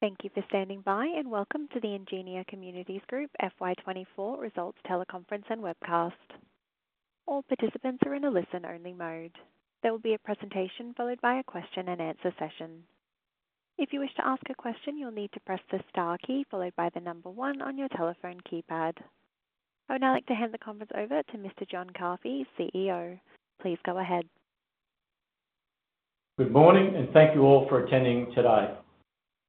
Thank you for standing by, and welcome to the Ingenia Communities Group FY 2024 Results Teleconference and Webcast. All participants are in a listen-only mode. There will be a presentation, followed by a question-and-answer session. If you wish to ask a question, you'll need to press the Star key, followed by the number one on your telephone keypad. I would now like to hand the conference over to Mr. John Carfi, CEO. Please go ahead. Good morning, and thank you all for attending today.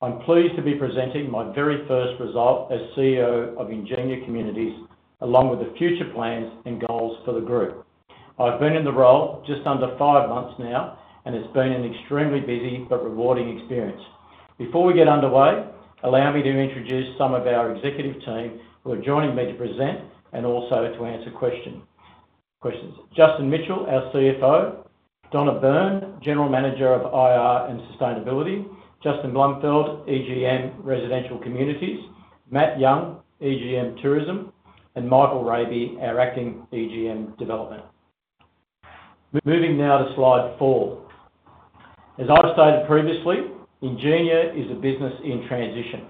I'm pleased to be presenting my very first result as CEO of Ingenia Communities, along with the future plans and goals for the group. I've been in the role just under five months now, and it's been an extremely busy but rewarding experience. Before we get underway, allow me to introduce some of our executive team who are joining me to present and also to answer questions. Justin Mitchell, our CFO; Donna Byrne, General Manager of IR and Sustainability; Justin Blumfield, EGM Residential Communities; Matt Young, EGM Tourism; and Michael Rabey, our acting EGM Development. Moving now to Slide four. As I've stated previously, Ingenia is a business in transition,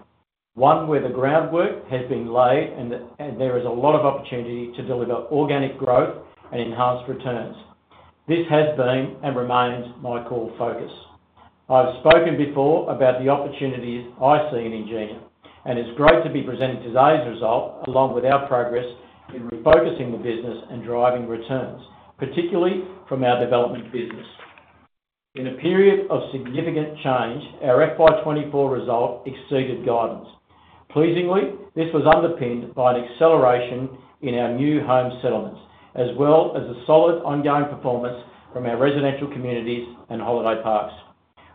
one where the groundwork has been laid, and there is a lot of opportunity to deliver organic growth and enhanced returns. This has been and remains my core focus. I've spoken before about the opportunities I see in Ingenia, and it's great to be presenting today's result, along with our progress in refocusing the business and driving returns, particularly from our development business. In a period of significant change, our FY 2024 result exceeded guidance. Pleasingly, this was underpinned by an acceleration in our new home settlements, as well as a solid ongoing performance from our residential communities and holiday parks.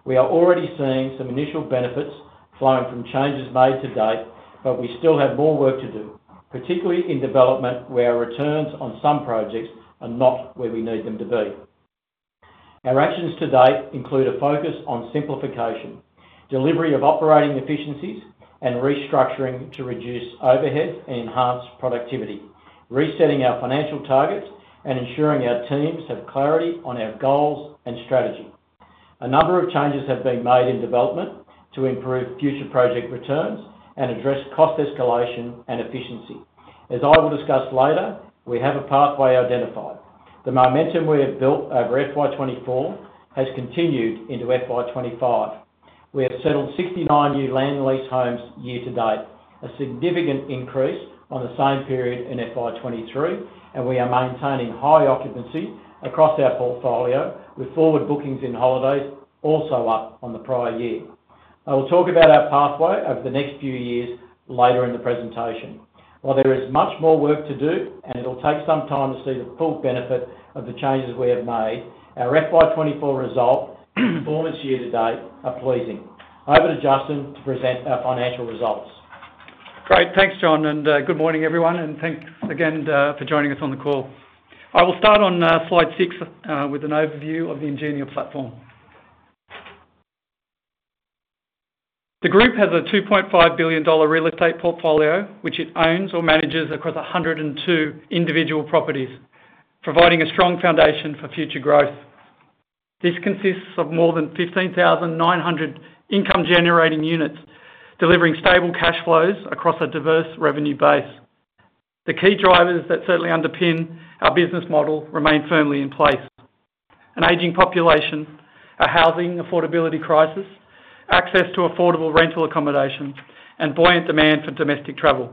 We are already seeing some initial benefits flowing from changes made to date, but we still have more work to do, particularly in development, where our returns on some projects are not where we need them to be. Our actions to date include a focus on simplification, delivery of operating efficiencies, and restructuring to reduce overhead and enhance productivity, resetting our financial targets, and ensuring our teams have clarity on our goals and strategy. A number of changes have been made in development to improve future project returns and address cost escalation and efficiency. As I will discuss later, we have a pathway identified. The momentum we have built over FY 2024 has continued into FY 2025. We have settled 69 new land lease homes year to date, a significant increase on the same period in FY 2023, and we are maintaining high occupancy across our portfolio, with forward bookings in holidays also up on the prior year. I will talk about our pathway over the next few years later in the presentation. While there is much more work to do, and it'll take some time to see the full benefit of the changes we have made, our FY 2024 result, performance year to date are pleasing. Over to Justin to present our financial results. Great. Thanks, John, and good morning, everyone, and thanks again for joining us on the call. I will start on Slide 6 with an overview of the Ingenia platform. The group has an 2.5 billion dollar real estate portfolio, which it owns or manages across 102 individual properties, providing a strong foundation for future growth. This consists of more than 15,900 income-generating units, delivering stable cash flows across a diverse revenue base. The key drivers that certainly underpin our business model remain firmly in place: an aging population, a housing affordability crisis, access to affordable rental accommodation, and buoyant demand for domestic travel.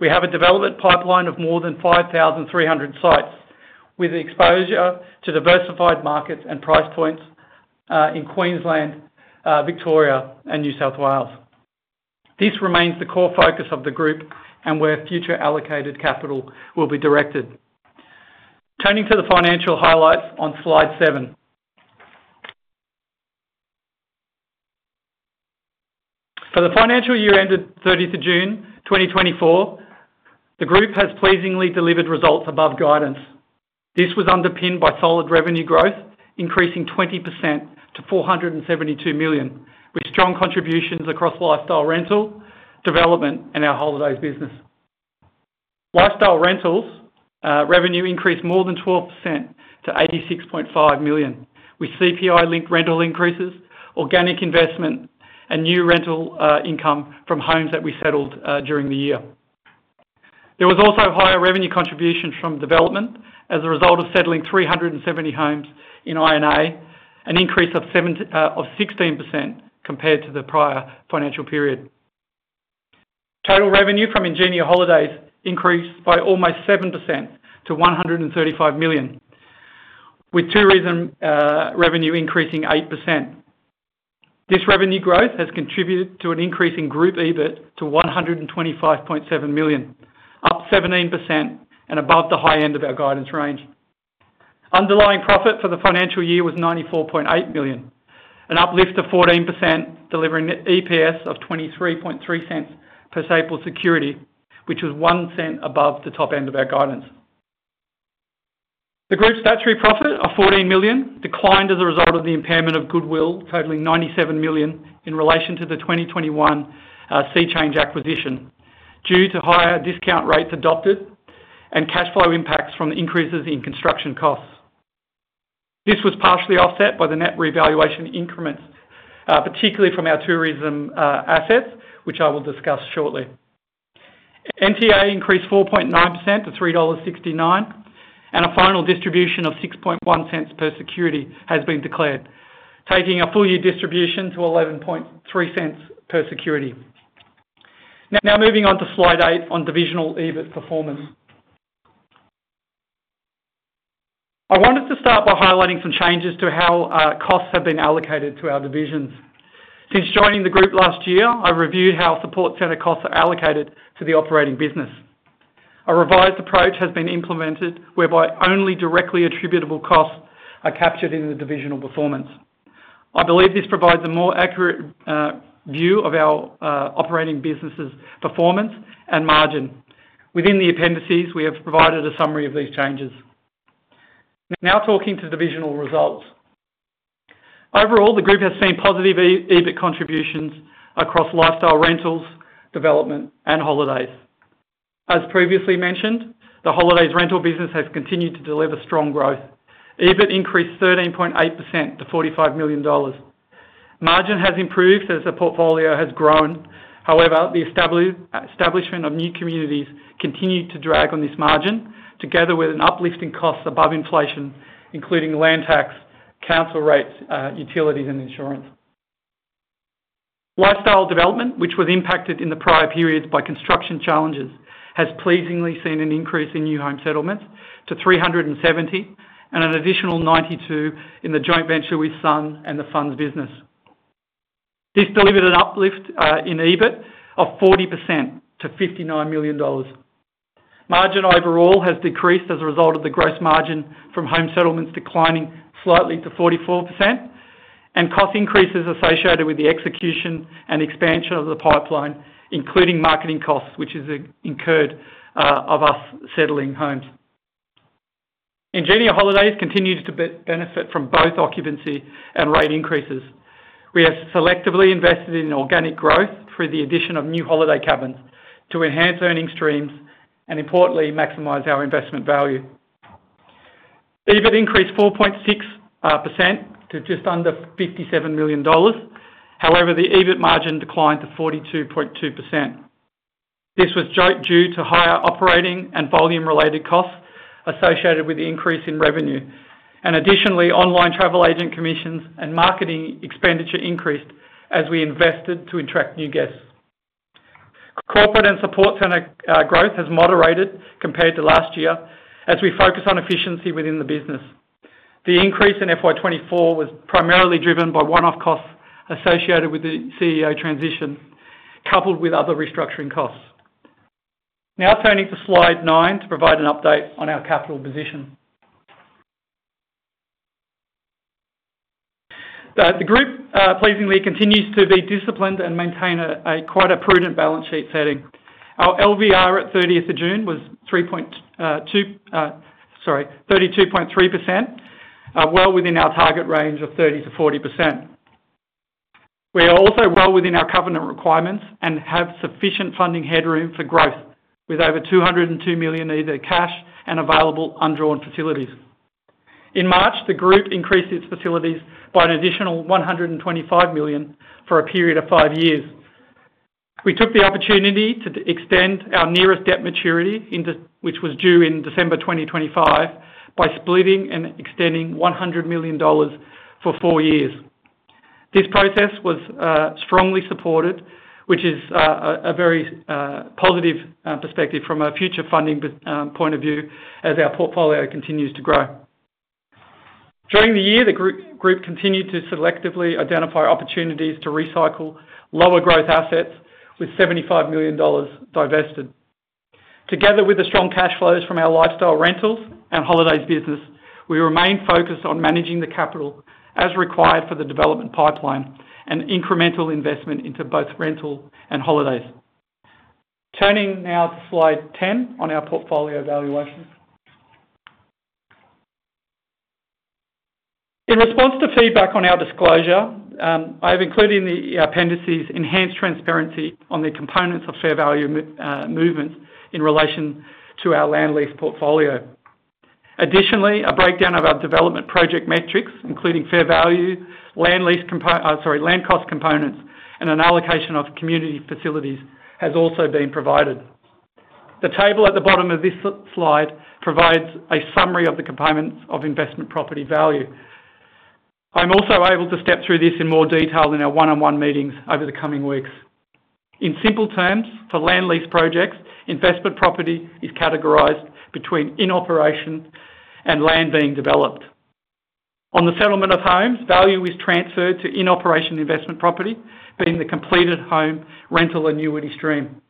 We have a development pipeline of more than 5,300 sites, with exposure to diversified markets and price points in Queensland, Victoria, and New South Wales. This remains the core focus of the group and where future allocated capital will be directed. Turning to the financial highlights on Slide seven. For the financial year ended thirtieth of June, twenty 2024, the group has pleasingly delivered results above guidance. This was underpinned by solid revenue growth, increasing 20% to 472 million, with strong contributions across lifestyle, rental, development, and our holidays business. Lifestyle rentals revenue increased more than 12% to 86.5 million, with CPI-linked rental increases, organic investment, and new rental income from homes that we settled during the year. There was also higher revenue contributions from development as a result of settling 370 homes in Ingenia, an increase of 16% compared to the prior financial period. Total revenue from Ingenia Holidays increased by almost 7% to 135 million, with tourism revenue increasing 8%. This revenue growth has contributed to an increase in group EBIT to 125.7 million, up 17% and above the high end of our guidance range. Underlying profit for the financial year was 94.8 million, an uplift of 14%, delivering EPS of 0.233 per stapled security, which was 0.01 above the top end of our guidance. The group's statutory profit of 14 million declined as a result of the impairment of goodwill, totaling 97 million in relation to the 2021 Seachange acquisition, due to higher discount rates adopted and cash flow impacts from the increases in construction costs. This was partially offset by the net revaluation increments, particularly from our tourism assets, which I will discuss shortly. NTA increased 4.9% to 3.69 dollars, and a final distribution of 0.061 per security has been declared, taking a full year distribution to 0.113 per security. Now, moving on to Slide 8 on divisional EBIT performance. I wanted to start by highlighting some changes to how costs have been allocated to our divisions. Since joining the group last year, I reviewed how support center costs are allocated to the operating business. A revised approach has been implemented, whereby only directly attributable costs are captured in the divisional performance. I believe this provides a more accurate view of our operating business's performance and margin. Within the appendices, we have provided a summary of these changes. Now talking to divisional results. Overall, the group has seen positive EBIT contributions across lifestyle rentals, development, and holidays. As previously mentioned, the holidays rental business has continued to deliver strong growth. EBIT increased 13.8% to 45 million dollars. Margin has improved as the portfolio has grown. However, the establishment of new communities continued to drag on this margin, together with an uplift in costs above inflation, including land tax, council rates, utilities, and insurance. Lifestyle development, which was impacted in the prior periods by construction challenges, has pleasingly seen an increase in new home settlements to 370, and an additional 92 in the joint venture with Sun and the funds business. This delivered an uplift in EBIT of 40% to 59 million dollars. Margin overall has decreased as a result of the gross margin from home settlements declining slightly to 44%, and cost increases associated with the execution and expansion of the pipeline, including marketing costs, which is incurred of us settling homes. Ingenia Holidays continues to benefit from both occupancy and rate increases. We have selectively invested in organic growth through the addition of new holiday cabins to enhance earning streams, and importantly, maximize our investment value. EBIT increased 4.6% to just under 57 million dollars. However, the EBIT margin declined to 42.2%. This was due to higher operating and volume-related costs associated with the increase in revenue. Additionally, online travel agent commissions and marketing expenditure increased as we invested to attract new guests. Corporate and support center growth has moderated compared to last year, as we focus on efficiency within the business. The increase in FY 2024 was primarily driven by one-off costs associated with the CEO transition, coupled with other restructuring costs. Now turning to Slide 9 to provide an update on our capital position. The group pleasingly continues to be disciplined and maintain a quite prudent balance sheet setting. Our LVR at 30th of June was three point two, sorry, 32.3%, well within our target range of 30%-40%. We are also well within our covenant requirements and have sufficient funding headroom for growth, with over 202 million either cash and available undrawn facilities. In March, the group increased its facilities by an additional 125 million for a period of five years. We took the opportunity to extend our nearest debt maturity which was due in December 2025, by splitting and extending 100 million dollars for four years. This process was strongly supported, which is a very positive perspective from a future funding point of view, as our portfolio continues to grow. During the year, the group continued to selectively identify opportunities to recycle lower growth assets, with 75 million dollars divested. Together with the strong cash flows from our lifestyle rentals and holidays business, we remain focused on managing the capital as required for the development pipeline and incremental investment into both rental and holidays. Turning now to Slide 10 on our portfolio valuation. In response to feedback on our disclosure, I have included in the appendices enhanced transparency on the components of fair value movement in relation to our land lease portfolio. Additionally, a breakdown of our development project metrics, including fair value, land cost components, and an allocation of community facilities, has also been provided. The table at the bottom of this Slide provides a summary of the components of investment property value. I'm also able to step through this in more detail in our one-on-one meetings over the coming weeks. In simple terms, for land lease projects, investment property is categorized between in-operation and land being developed. On the settlement of homes, value is transferred to in-operation investment property, being the completed home rental annuity stream.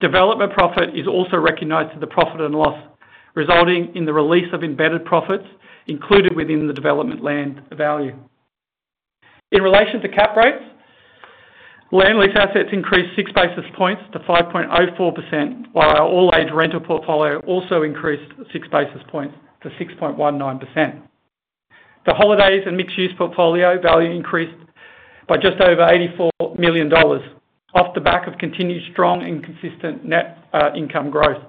Development profit is also recognized to the profit and loss, resulting in the release of embedded profits included within the development land value. In relation to cap rates, land lease assets increased six basis points to 5.04%, while our All-Age Rental Portfolio also increased six basis points to 6.19%. The holidays and mixed-use portfolio value increased by just over 84 million dollars, off the back of continued strong and consistent net income growth.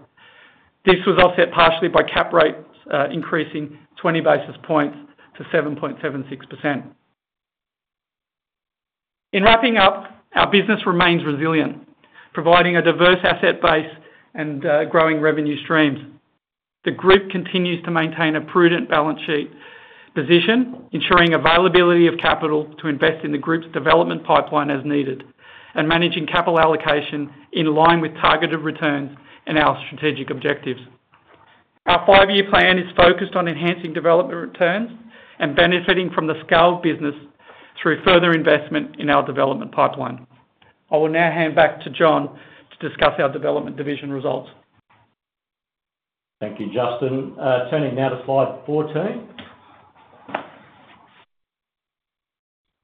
This was offset partially by cap rates increasing twenty basis points to 7.76%. In wrapping up, our business remains resilient, providing a diverse asset base and growing revenue streams. The group continues to maintain a prudent balance sheet position, ensuring availability of capital to invest in the group's development pipeline as needed, and managing capital allocation in line with targeted returns and our strategic objectives. Our five-year plan is focused on enhancing development returns and benefiting from the scaled business through further investment in our development pipeline. I will now hand back to John to discuss our development division results. Thank you, Justin. Turning now to Slide 14.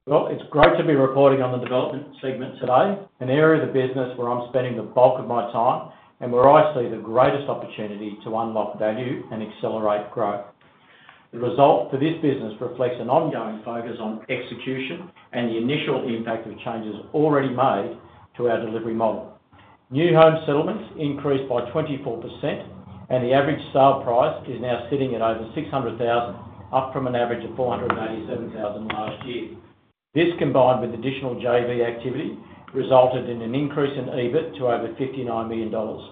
It's great to be reporting on the development segment today, an area of the business where I'm spending the bulk of my time, and where I see the greatest opportunity to unlock value and accelerate growth. The result for this business reflects an ongoing focus on execution and the initial impact of changes already made to our delivery model. New home settlements increased by 24%, and the average sale price is now sitting at over 600,000, up from an average of 487,000 last year. This, combined with additional JV activity, resulted in an increase in EBIT to over 59 million dollars.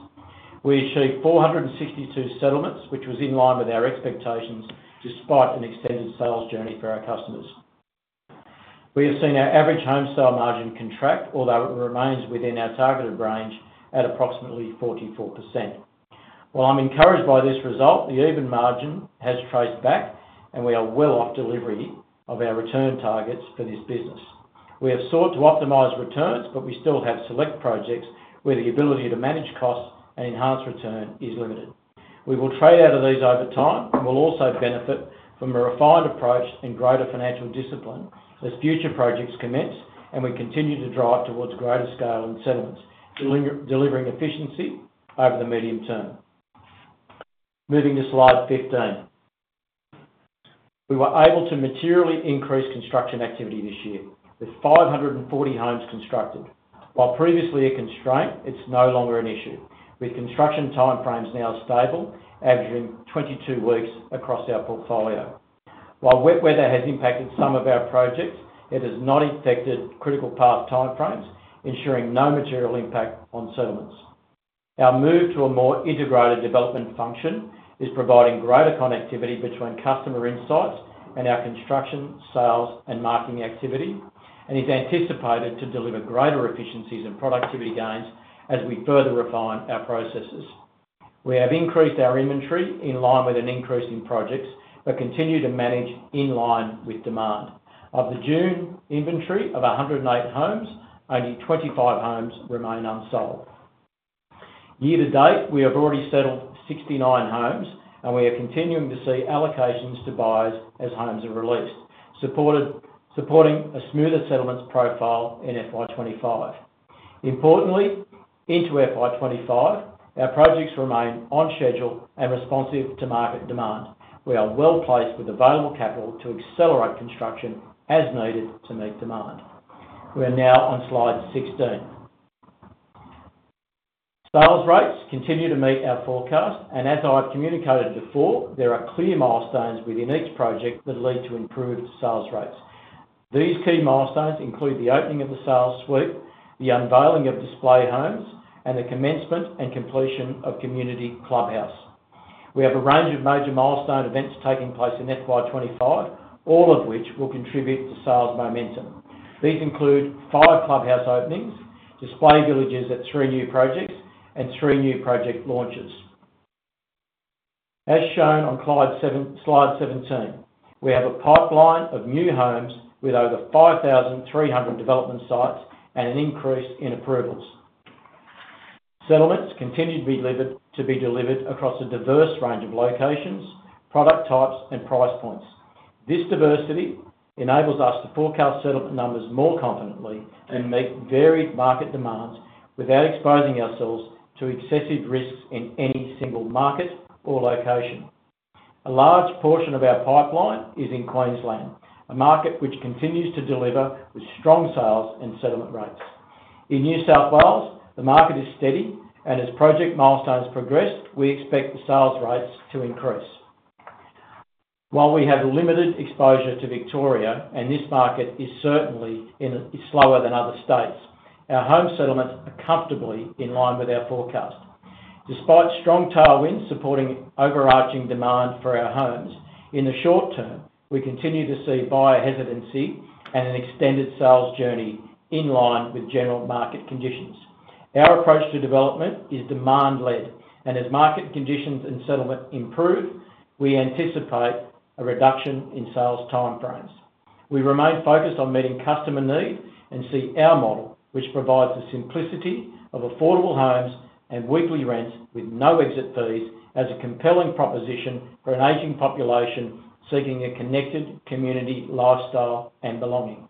We achieved 462 settlements, which was in line with our expectations, despite an extended sales journey for our customers. We have seen our average home sale margin contract, although it remains within our targeted range at approximately 44%. While I'm encouraged by this result, the EBIT margin has traced back, and we are well off delivery of our return targets for this business. We have sought to optimize returns, but we still have select projects where the ability to manage costs and enhance return is limited. We will trade out of these over time, and we'll also benefit from a refined approach and greater financial discipline as future projects commence, and we continue to drive towards greater scale and settlements, delivering efficiency over the medium term. Moving to Slide 15. We were able to materially increase construction activity this year, with 540 homes constructed. While previously a constraint, it's no longer an issue, with construction timeframes now stable, averaging 22 weeks across our portfolio. While wet weather has impacted some of our projects, it has not affected critical path timeframes, ensuring no material impact on settlements. Our move to a more integrated development function is providing greater connectivity between customer insights and our construction, sales, and marketing activity, and is anticipated to deliver greater efficiencies and productivity gains as we further refine our processes. We have increased our inventory in line with an increase in projects, but continue to manage in line with demand. Of the June inventory of 100 homes, only 25 homes remain unsold. Year to date, we have already settled 69 homes, and we are continuing to see allocations to buyers as homes are released, supporting a smoother settlements profile in FY 2025. Importantly, into FY 2025, our projects remain on schedule and responsive to market demand. We are well-placed with available capital to accelerate construction as needed to meet demand. We are now on Slide 16. Sales rates continue to meet our forecast, and as I've communicated before, there are clear milestones within each project that lead to improved sales rates. These key milestones include the opening of the sales suite, the unveiling of display homes, and the commencement and completion of community clubhouse. We have a range of major milestone events taking place in FY 2025, all of which will contribute to sales momentum. These include five clubhouse openings, display villages at three new projects, and three new project launches. As shown on Slide 17, we have a pipeline of new homes with over 5,300 development sites and an increase in approvals. Settlements continue to be delivered, to be delivered across a diverse range of locations, product types, and price points. This diversity enables us to forecast settlement numbers more confidently and meet varied market demands without exposing ourselves to excessive risks in any single market or location. A large portion of our pipeline is in Queensland, a market which continues to deliver with strong sales and settlement rates. In New South Wales, the market is steady, and as project milestones progress, we expect the sales rates to increase. While we have limited exposure to Victoria, and this market is certainly slower than other states, our home settlements are comfortably in line with our forecast. Despite strong tailwinds supporting overarching demand for our homes, in the short term, we continue to see buyer hesitancy and an extended sales journey in line with general market conditions. Our approach to development is demand-led, and as market conditions and settlement improve, we anticipate a reduction in sales timeframes. We remain focused on meeting customer need and see our model, which provides the simplicity of affordable homes and weekly rents with no exit fees, as a compelling proposition for an aging population seeking a connected community, lifestyle, and belonging.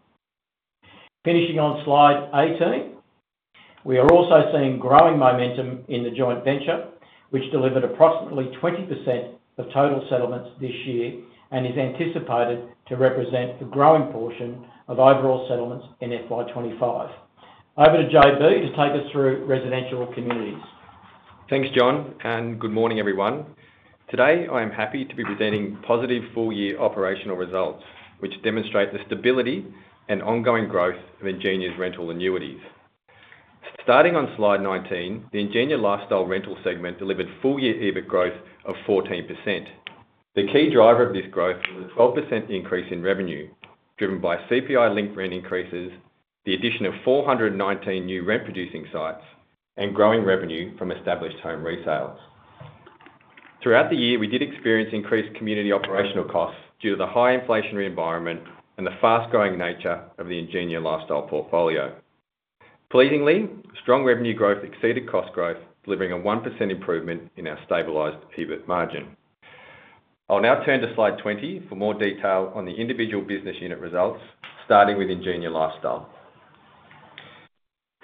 Finishing on Slide 18. We are also seeing growing momentum in the joint venture, which delivered approximately 20% of total settlements this year, and is anticipated to represent a growing portion of overall settlements in FY 25. Over to JB to take us through residential communities. Thanks, John, and good morning, everyone. Today, I am happy to be presenting positive full year operational results, which demonstrate the stability and ongoing growth of Ingenia's rental annuities. Starting on Slide 19, the Ingenia Lifestyle Rental segment delivered full year EBIT growth of 14%. The key driver of this growth was a 12% increase in revenue, driven by CPI-linked rent increases, the addition of 419 new rent-producing sites, and growing revenue from established home resales. Throughout the year, we did experience increased community operational costs due to the high inflationary environment and the fast-growing nature of the Ingenia lifestyle portfolio. Pleasingly, strong revenue growth exceeded cost growth, delivering a 1% improvement in our stabilized EBIT margin. I'll now turn to Slide 20 for more detail on the individual business unit results, starting with Ingenia Lifestyle.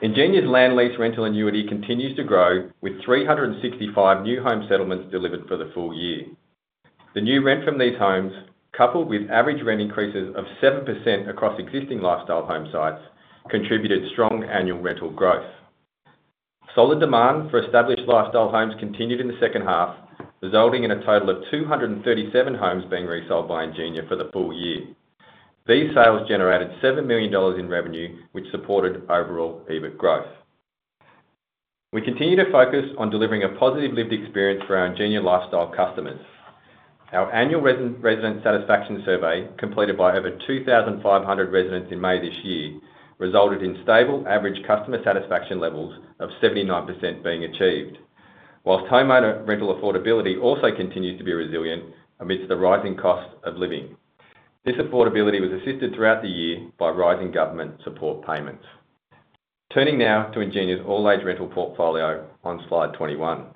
Ingenia's land lease rental annuity continues to grow, with 365 new home settlements delivered for the full year. The new rent from these homes, coupled with average rent increases of 7% across existing lifestyle home sites, contributed strong annual rental growth. Solid demand for established lifestyle homes continued in the second half, resulting in a total of 237 homes being resold by Ingenia for the full year. These sales generated 7 million dollars in revenue, which supported overall EBIT growth. We continue to focus on delivering a positive lived experience for our Ingenia Lifestyle customers. Our annual resident satisfaction survey, completed by over 2,500 residents in May this year, resulted in stable average customer satisfaction levels of 79% being achieved. While homeowner rental affordability also continues to be resilient amidst the rising cost of living. This affordability was assisted throughout the year by rising government support payments. Turning now to Ingenia's all-age rental portfolio on Slide 21.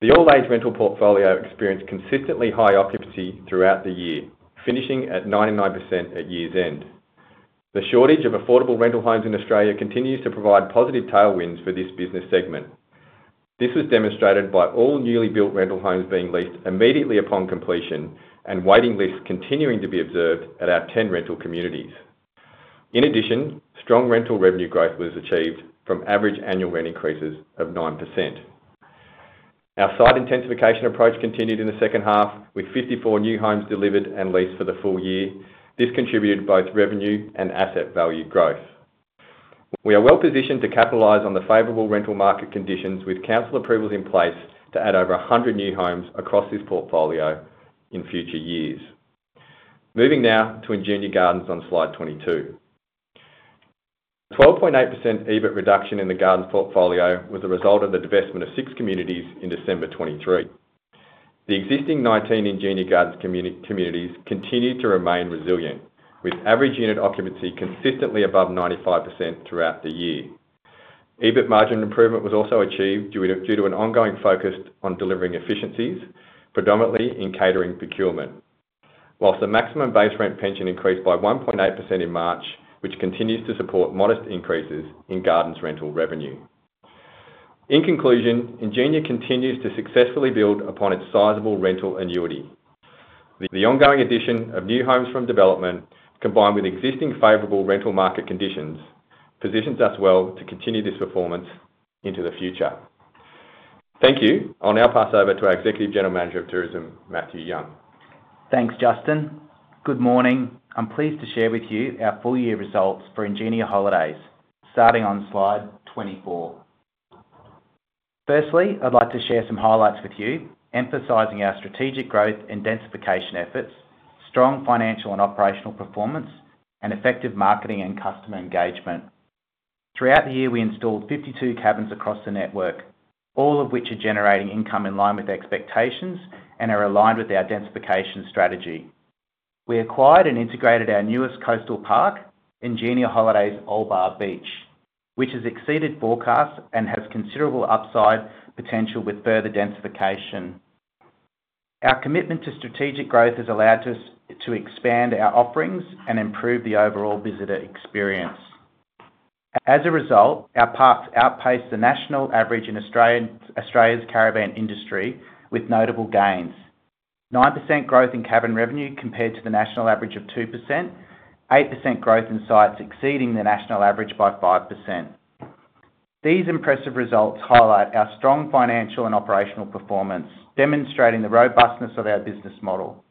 The all-age rental portfolio experienced consistently high occupancy throughout the year, finishing at 99% at year's end. The shortage of affordable rental homes in Australia continues to provide positive tailwinds for this business segment. This was demonstrated by all newly built rental homes being leased immediately upon completion and waiting lists continuing to be observed at our 10 rental communities. In addition, strong rental revenue growth was achieved from average annual rent increases of 9%. Our site intensification approach continued in the second half, with 54 new homes delivered and leased for the full year. This contributed to both revenue and asset value growth. We are well positioned to capitalize on the favorable rental market conditions, with council approvals in place to add over a hundred new homes across this portfolio in future years. Moving now to Ingenia Gardens on Slide 22. A 12.8% EBIT reduction in the gardens portfolio was a result of the divestment of six communities in December 2023. The existing 19 Ingenia Gardens communities continued to remain resilient, with average unit occupancy consistently above 95% throughout the year. EBIT margin improvement was also achieved due to an ongoing focus on delivering efficiencies, predominantly in catering procurement. While the maximum base rent pension increased by 1.8% in March, which continues to support modest increases in gardens rental revenue. In conclusion, Ingenia continues to successfully build upon its sizable rental annuity. The ongoing addition of new homes from development, combined with existing favorable rental market conditions, positions us well to continue this performance into the future. Thank you. I'll now pass over to our Executive General Manager of Tourism, Matthew Young. Thanks, Justin. Good morning. I'm pleased to share with you our full year results for Ingenia Holidays, starting on Slide 24. Firstly, I'd like to share some highlights with you, emphasizing our strategic growth and densification efforts, strong financial and operational performance, and effective marketing and customer engagement. Throughout the year, we installed 52 cabins across the network, all of which are generating income in line with expectations and are aligned with our densification strategy. We acquired and integrated our newest coastal park, Ingenia Holidays Old Bar Beach, which has exceeded forecasts and has considerable upside potential with further densification. Our commitment to strategic growth has allowed us to expand our offerings and improve the overall visitor experience. As a result, our parks outpaced the national average in Australia's caravan industry, with notable gains: 9% growth in cabin revenue compared to the national average of 2%, 8% growth in sites exceeding the national average by 5%. These impressive results highlight our strong financial and operational performance, demonstrating the robustness of our business model.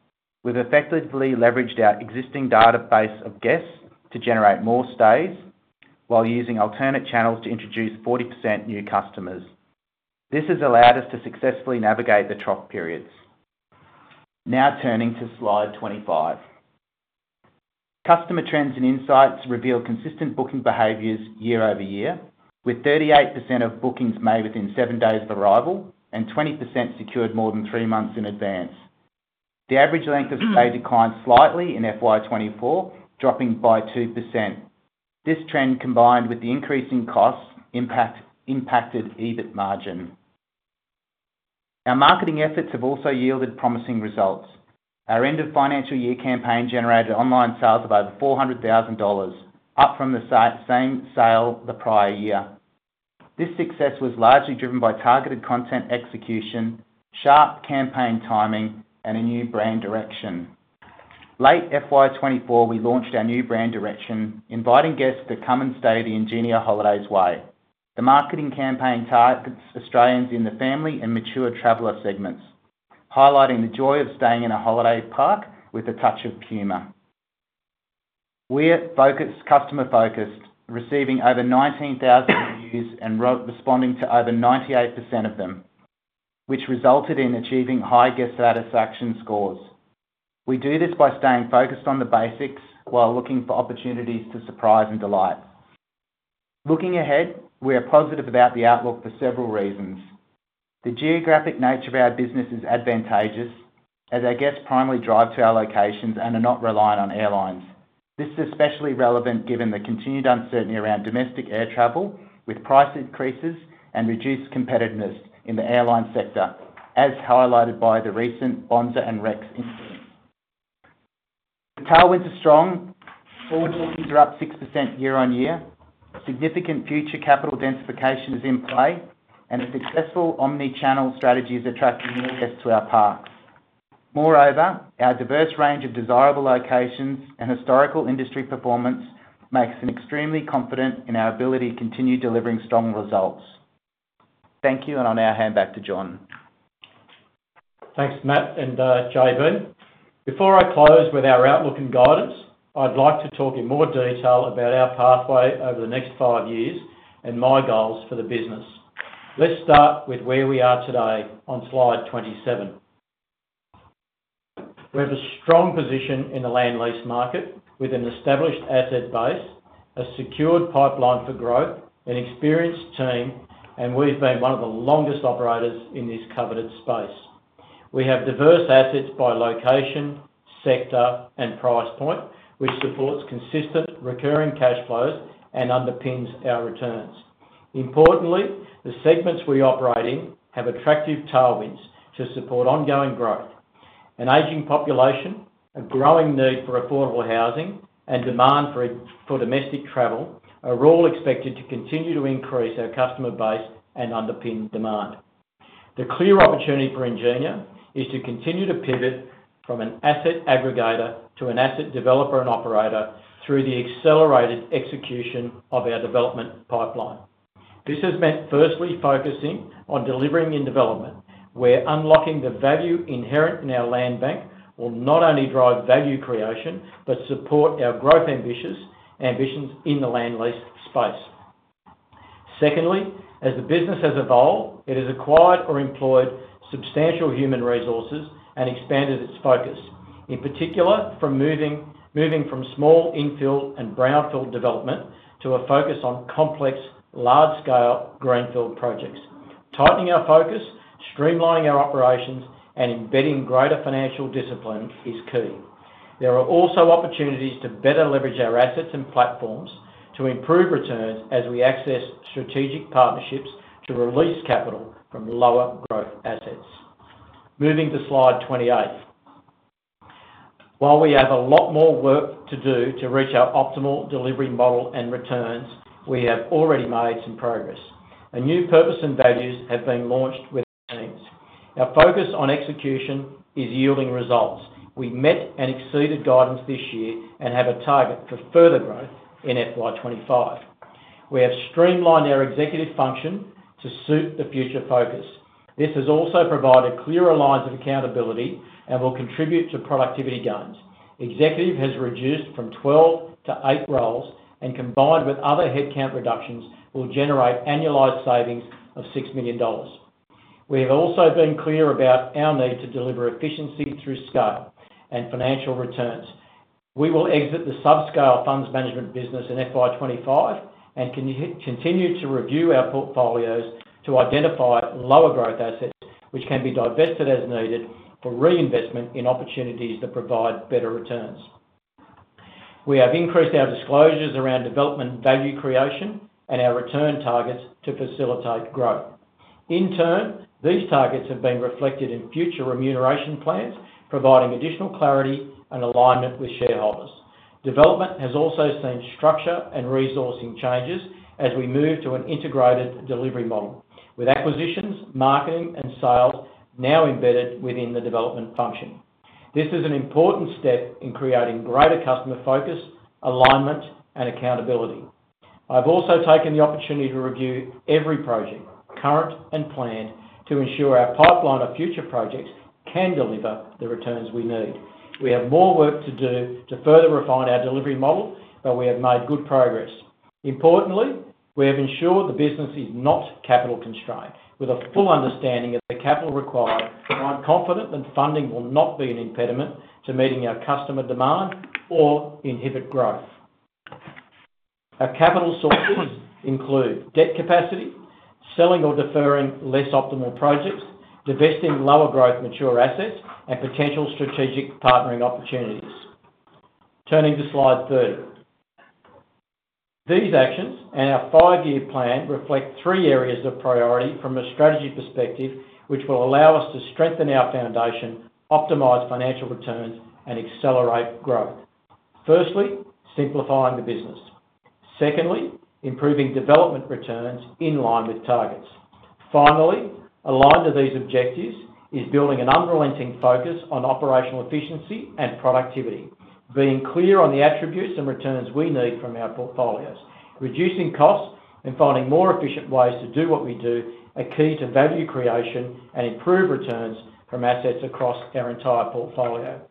We've effectively leveraged our existing database of guests to generate more stays, while using alternate channels to introduce 40% new customers. This has allowed us to successfully navigate the trough periods. Now turning to Slide 25. Customer trends and insights reveal consistent booking behaviors year-over-year, with 38% of bookings made within seven days of arrival and 20% secured more than three months in advance. The average length of stay declined slightly in FY 2024, dropping by 2%. This trend, combined with the increase in costs, impacted EBIT margin. Our marketing efforts have also yielded promising results. Our end of financial year campaign generated online sales of over 400,000 dollars, up from the same sale the prior year. This success was largely driven by targeted content execution, sharp campaign timing, and a new brand direction. Late FY 2024, we launched our new brand direction, inviting guests to come and stay the Ingenia Holidays way. The marketing campaign targets Australians in the family and mature traveler segments, highlighting the joy of staying in a holiday park with a touch of humor. We're focused, customer-focused, receiving over 19,000 views and responding to over 98% of them, which resulted in achieving high guest satisfaction scores. We do this by staying focused on the basics while looking for opportunities to surprise and delight. Looking ahead, we are positive about the outlook for several reasons. The geographic nature of our business is advantageous, as our guests primarily drive to our locations and are not reliant on airlines. This is especially relevant given the continued uncertainty around domestic air travel, with price increases and reduced competitiveness in the airline sector, as highlighted by the recent Bonza and Rex incidents. The tailwinds are strong. Forward bookings are up 6% year-on-year. Significant future capital densification is in play, and a successful omni-channel strategy is attracting more guests to our parks. Moreover, our diverse range of desirable locations and historical industry performance makes them extremely confident in our ability to continue delivering strong results. Thank you, and I'll now hand back to John. Thanks, Matt and JB. Before I close with our outlook and guidance, I'd like to talk in more detail about our pathway over the next five years and my goals for the business. Let's start with where we are today on Slide 27. We have a strong position in the land lease market, with an established asset base, a secured pipeline for growth, an experienced team, and we've been one of the longest operators in this coveted space. We have diverse assets by location, sector, and price point, which supports consistent recurring cash flows and underpins our returns. Importantly, the segments we operate in have attractive tailwinds to support ongoing growth. An aging population, a growing need for affordable housing, and demand for for domestic travel are all expected to continue to increase our customer base and underpin demand. The clear opportunity for Ingenia is to continue to pivot from an asset aggregator to an asset developer and operator through the accelerated execution of our development pipeline. This has meant firstly, focusing on delivering in development, where unlocking the value inherent in our land bank will not only drive value creation, but support our growth ambitions in the land lease space. Secondly, as the business has evolved, it has acquired or employed substantial human resources and expanded its focus, in particular, from moving from small infill and brownfield development to a focus on complex, large-scale greenfield projects. Tightening our focus, streamlining our operations, and embedding greater financial discipline is key. There are also opportunities to better leverage our assets and platforms to improve returns as we access strategic partnerships to release capital from lower growth assets. Moving to Slide 28. While we have a lot more work to do to reach our optimal delivery model and returns, we have already made some progress. A new purpose and values have been launched with teams. Our focus on execution is yielding results. We met and exceeded guidance this year and have a target for further growth in FY 2025. We have streamlined our executive function to suit the future focus. This has also provided clearer lines of accountability and will contribute to productivity gains. Executive has reduced from 12 to 8 roles, and combined with other headcount reductions, will generate annualized savings of 6 million dollars. We have also been clear about our need to deliver efficiency through scale and financial returns. We will exit the subscale funds management business in FY 2025, and continue to review our portfolios to identify lower growth assets, which can be divested as needed for reinvestment in opportunities that provide better returns. We have increased our disclosures around development value creation and our return targets to facilitate growth. In turn, these targets have been reflected in future remuneration plans, providing additional clarity and alignment with shareholders. Development has also seen structure and resourcing changes as we move to an integrated delivery model, with acquisitions, marketing, and sales now embedded within the development function. This is an important step in creating greater customer focus, alignment, and accountability. I've also taken the opportunity to review every project, current and planned, to ensure our pipeline of future projects can deliver the returns we need. We have more work to do to further refine our delivery model, but we have made good progress. Importantly, we have ensured the business is not capital-constrained. With a full understanding of the capital required, I'm confident that funding will not be an impediment to meeting our customer demand or inhibit growth. Our capital sources include debt capacity, selling or deferring less optimal projects, divesting lower growth mature assets, and potential strategic partnering opportunities. Turning to Slide 30. These actions and our five-year plan reflect three areas of priority from a strategy perspective, which will allow us to strengthen our foundation, optimize financial returns, and accelerate growth. Firstly, simplifying the business. Secondly, improving development returns in line with targets. Finally, aligned to these objectives is building an unrelenting focus on operational efficiency and productivity, being clear on the attributes and returns we need from our portfolios. Reducing costs and finding more efficient ways to do what we do, are key to value creation and improved returns from assets across our entire portfolio.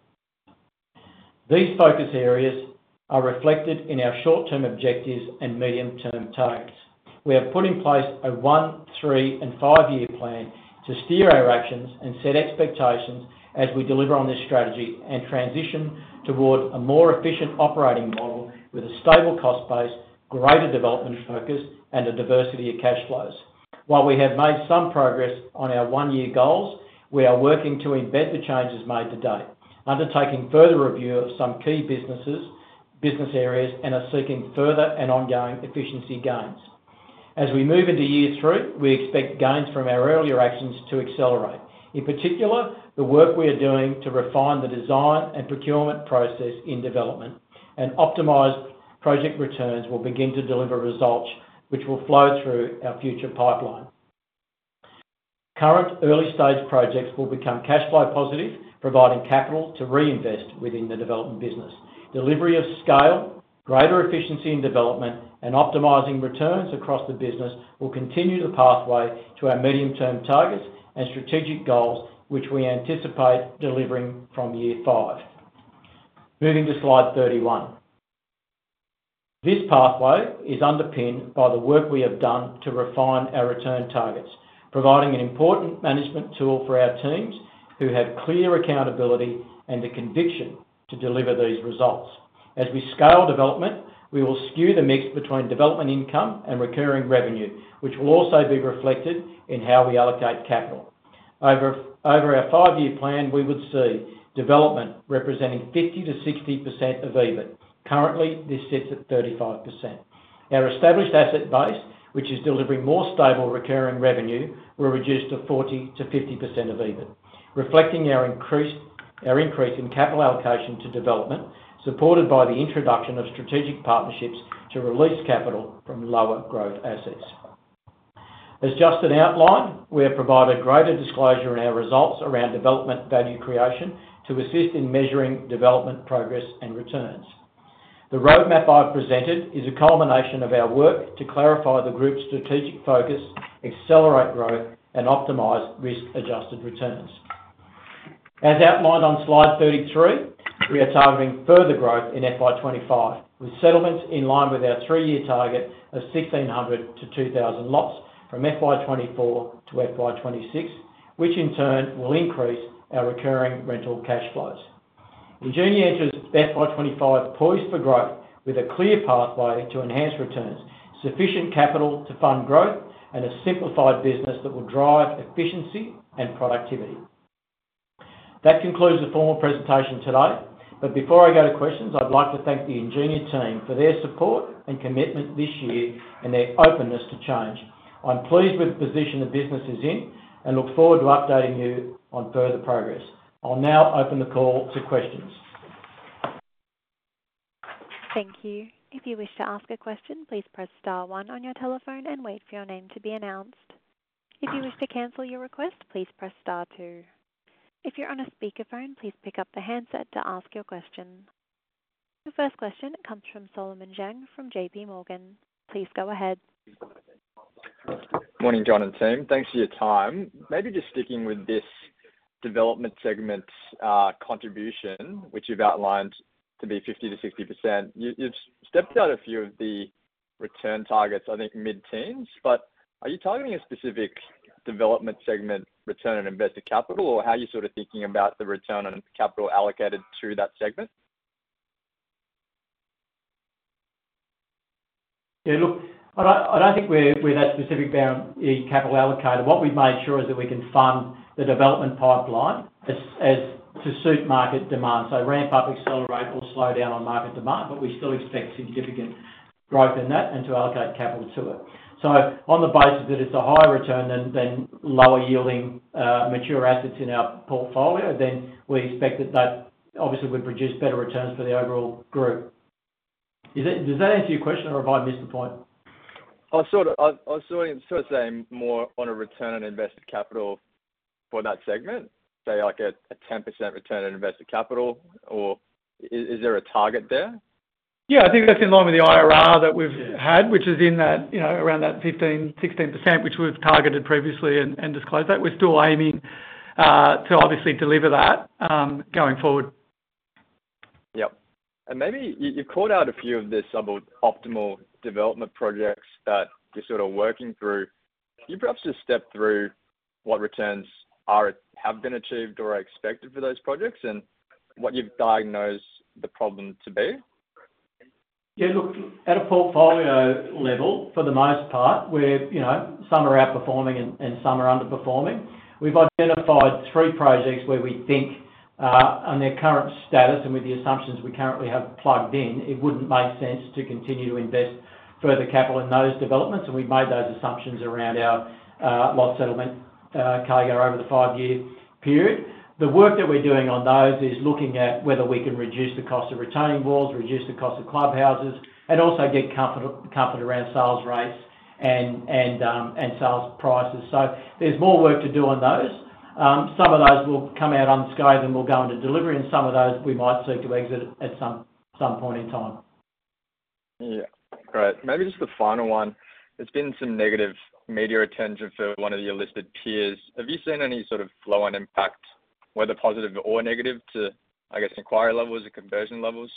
These focus areas are reflected in our short-term objectives and medium-term targets. We have put in place a one, three, and five-year plan to steer our actions and set expectations as we deliver on this strategy and transition toward a more efficient operating model with a stable cost base, greater development focus, and a diversity of cash flows. While we have made some progress on our one-year goals, we are working to embed the changes made to date, undertaking further review of some key businesses, business areas, and are seeking further and ongoing efficiency gains. As we move into year three, we expect gains from our earlier actions to accelerate. In particular, the work we are doing to refine the design and procurement process in development, and optimized project returns will begin to deliver results, which will flow through our future pipeline. Current early-stage projects will become cash flow positive, providing capital to reinvest within the development business. Delivery of scale, greater efficiency in development, and optimizing returns across the business will continue the pathway to our medium-term targets and strategic goals, which we anticipate delivering from year five. Moving to Slide 31. This pathway is underpinned by the work we have done to refine our return targets, providing an important management tool for our teams, who have clear accountability and the conviction to deliver these results. As we scale development, we will skew the mix between development income and recurring revenue, which will also be reflected in how we allocate capital. Over our five-year plan, we would see development representing 50%-60% of EBIT. Currently, this sits at 35%. Our established asset base, which is delivering more stable recurring revenue, will reduce to 40%-50% of EBIT, reflecting our increase in capital allocation to development, supported by the introduction of strategic partnerships to release capital from lower growth assets. As Justin outlined, we have provided greater disclosure in our results around development value creation to assist in measuring development progress and returns. The roadmap I've presented is a culmination of our work to clarify the group's strategic focus, accelerate growth, and optimize risk-adjusted returns. As outlined on Slide 33, we are targeting further growth in FY 2025, with settlements in line with our three-year target of 1,600 to 2,000 lots from FY 2024 to FY 2026, which in turn will increase our recurring rental cash flows. Ingenia enters FY 2025 poised for growth, with a clear pathway to enhance returns, sufficient capital to fund growth, and a simplified business that will drive efficiency and productivity. That concludes the formal presentation today, but before I go to questions, I'd like to thank the Ingenia team for their support and commitment this year and their openness to change. I'm pleased with the position the business is in, and look forward to updating you on further progress. I'll now open the call to questions. Thank you. If you wish to ask a question, please press star one on your telephone and wait for your name to be announced. If you wish to cancel your request, please press star two. If you're on a speakerphone, please pick up the handset to ask your question. The first question comes from Solomon Zhang from J.P. Morgan. Please go ahead. Morning, John and team. Thanks for your time. Maybe just sticking with this development segment contribution, which you've outlined to be 50-60%. You've stepped out a few of the return targets, I think, mid-teens, but are you targeting a specific development segment return on invested capital, or how are you sort of thinking about the return on capital allocated to that segment? Yeah, look, I don't think we're that specific about any capital allocator. What we've made sure is that we can fund the development pipeline as to suit market demand. So ramp up, accelerate, or slow down on market demand, but we still expect significant growth in that and to allocate capital to it. So on the basis that it's a higher return than lower-yielding mature assets in our portfolio, then we expect that obviously would produce better returns for the overall group. Is that does that answer your question, or have I missed the point? I was sort of saying more on a return on invested capital for that segment, say, like a 10% return on invested capital, or is there a target there? Yeah, I think that's in line with the IRR that we've Yeah had, which is in that, you know, around that 15%-16%, which we've targeted previously and disclosed that. We're still aiming to obviously deliver that going forward. Yep. And maybe you called out a few of the sub-optimal development projects that you're sort of working through. Can you perhaps just step through what returns are, have been achieved or are expected for those projects and what you've diagnosed the problem to be? Yeah, look, at a portfolio level, for the most part, we're, you know, some are outperforming and some are underperforming. We've identified three projects where we think on their current status and with the assumptions we currently have plugged in, it wouldn't make sense to continue to invest further capital in those developments, and we've made those assumptions around our lot settlement carryover over the five-year period. The work that we're doing on those is looking at whether we can reduce the cost of retaining walls, reduce the cost of clubhouses, and also get comfort around sales rates and sales prices. So there's more work to do on those. Some of those will come out unscathed and will go into delivery, and some of those we might seek to exit at some point in time. Yeah. Great. Maybe just the final one. There's been some negative media attention for one of your listed peers. Have you seen any sort of flow-on impact, whether positive or negative, to, I guess, inquiry levels or conversion levels,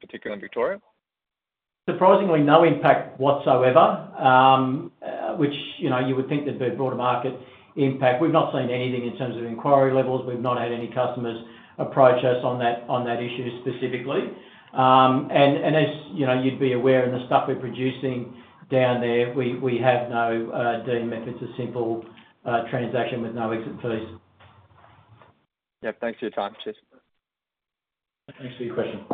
particularly in Victoria? Surprisingly, no impact whatsoever, which, you know, you would think there'd be a broader market impact. We've not seen anything in terms of inquiry levels. We've not had any customers approach us on that issue specifically. And, as, you know, you'd be aware in the stuff we're producing down there, we have no deed methods of simple transaction with no exit fees. Yep. Thanks for your time. Cheers. Thanks for your question.